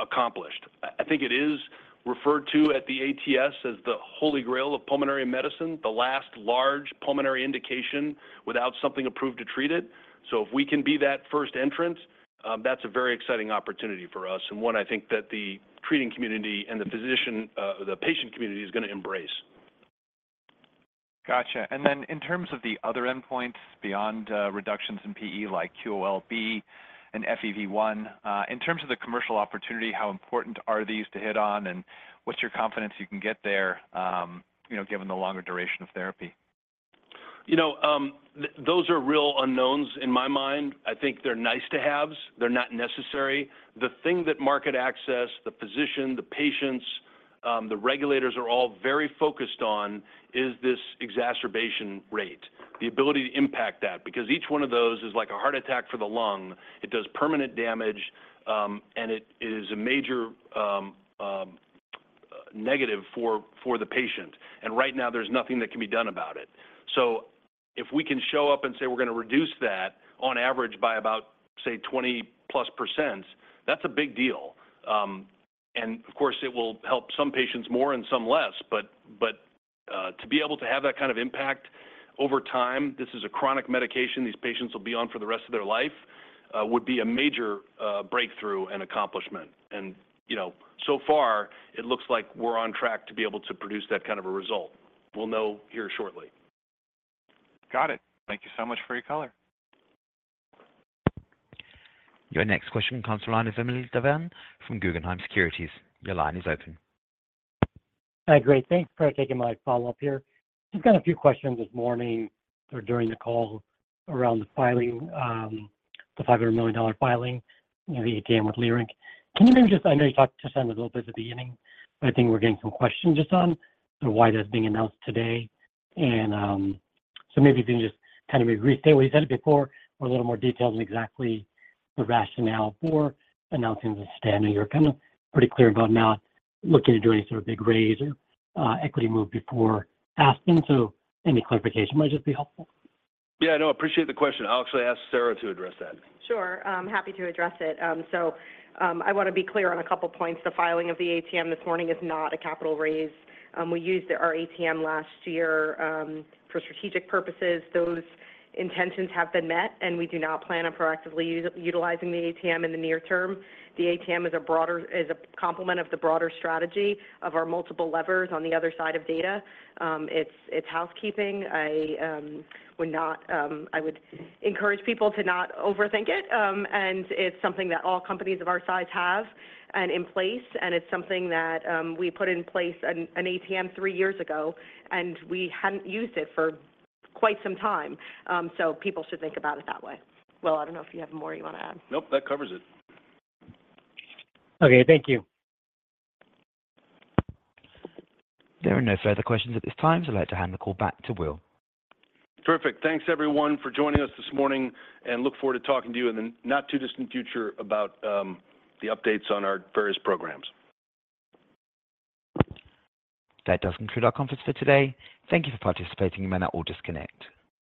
accomplished. I think it is referred to at the ATS as the Holy Grail of pulmonary medicine, the last large pulmonary indication without something approved to treat it. So if we can be that first entrance, that's a very exciting opportunity for us and one I think that the treating community and the patient community is going to embrace. Gotcha. And then in terms of the other endpoints beyond reductions in PE like QOL-B and FEV1, in terms of the commercial opportunity, how important are these to hit on, and what's your confidence you can get there given the longer duration of therapy? Those are real unknowns in my mind. I think they're nice-to-haves. They're not necessary. The thing that market access, the physician, the patients, the regulators are all very focused on is this exacerbation rate, the ability to impact that because each one of those is like a heart attack for the lung. It does permanent damage. It is a major negative for the patient. Right now, there's nothing that can be done about it. So if we can show up and say, "We're going to reduce that on average by about, say, 20+%," that's a big deal. And of course, it will help some patients more and some less. But to be able to have that kind of impact over time - this is a chronic medication. These patients will be on for the rest of their life - would be a major breakthrough and accomplishment. So far, it looks like we're on track to be able to produce that kind of a result. We'll know here shortly. Got it. Thank you so much for your color. Your next question comes to the line of Vamil Divan from Guggenheim Securities. Your line is open. Hi. Great. Thanks for taking my follow-up here. Just got a few questions this morning or during the call around the $500 million filing in the ATM with Leerink. Can you maybe just, I know you talked a little bit at the beginning, but I think we're getting some questions just on why that's being announced today. And so maybe if you can just kind of maybe restate what you said before or a little more detail on exactly the rationale for announcing the ATM. I know you're kind of pretty clear about not looking to do any sort of big raise or equity move before ASPEN. So any clarification might just be helpful. Yeah. No. I appreciate the question. I'll actually ask Sara to address that. Sure. Happy to address it. So I want to be clear on a couple of points. The filing of the ATM this morning is not a capital raise. We used our ATM last year for strategic purposes. Those intentions have been met. And we do not plan on proactively utilizing the ATM in the near term. The ATM is a complement of the broader strategy of our multiple levers on the other side of data. It's housekeeping. I would encourage people to not overthink it. And it's something that all companies of our size have and in place. And it's something that we put in place, an ATM, three years ago. And we hadn't used it for quite some time. So people should think about it that way. Will, I don't know if you have more you want to add. Nope. That covers it. Okay. Thank you. There are no further questions at this time. I'd like to hand the call back to Will. Perfect. Thanks, everyone, for joining us this morning. Look forward to talking to you in the not-too-distant future about the updates on our various programs. That does conclude our conference for today. Thank you for participating. You may now all disconnect.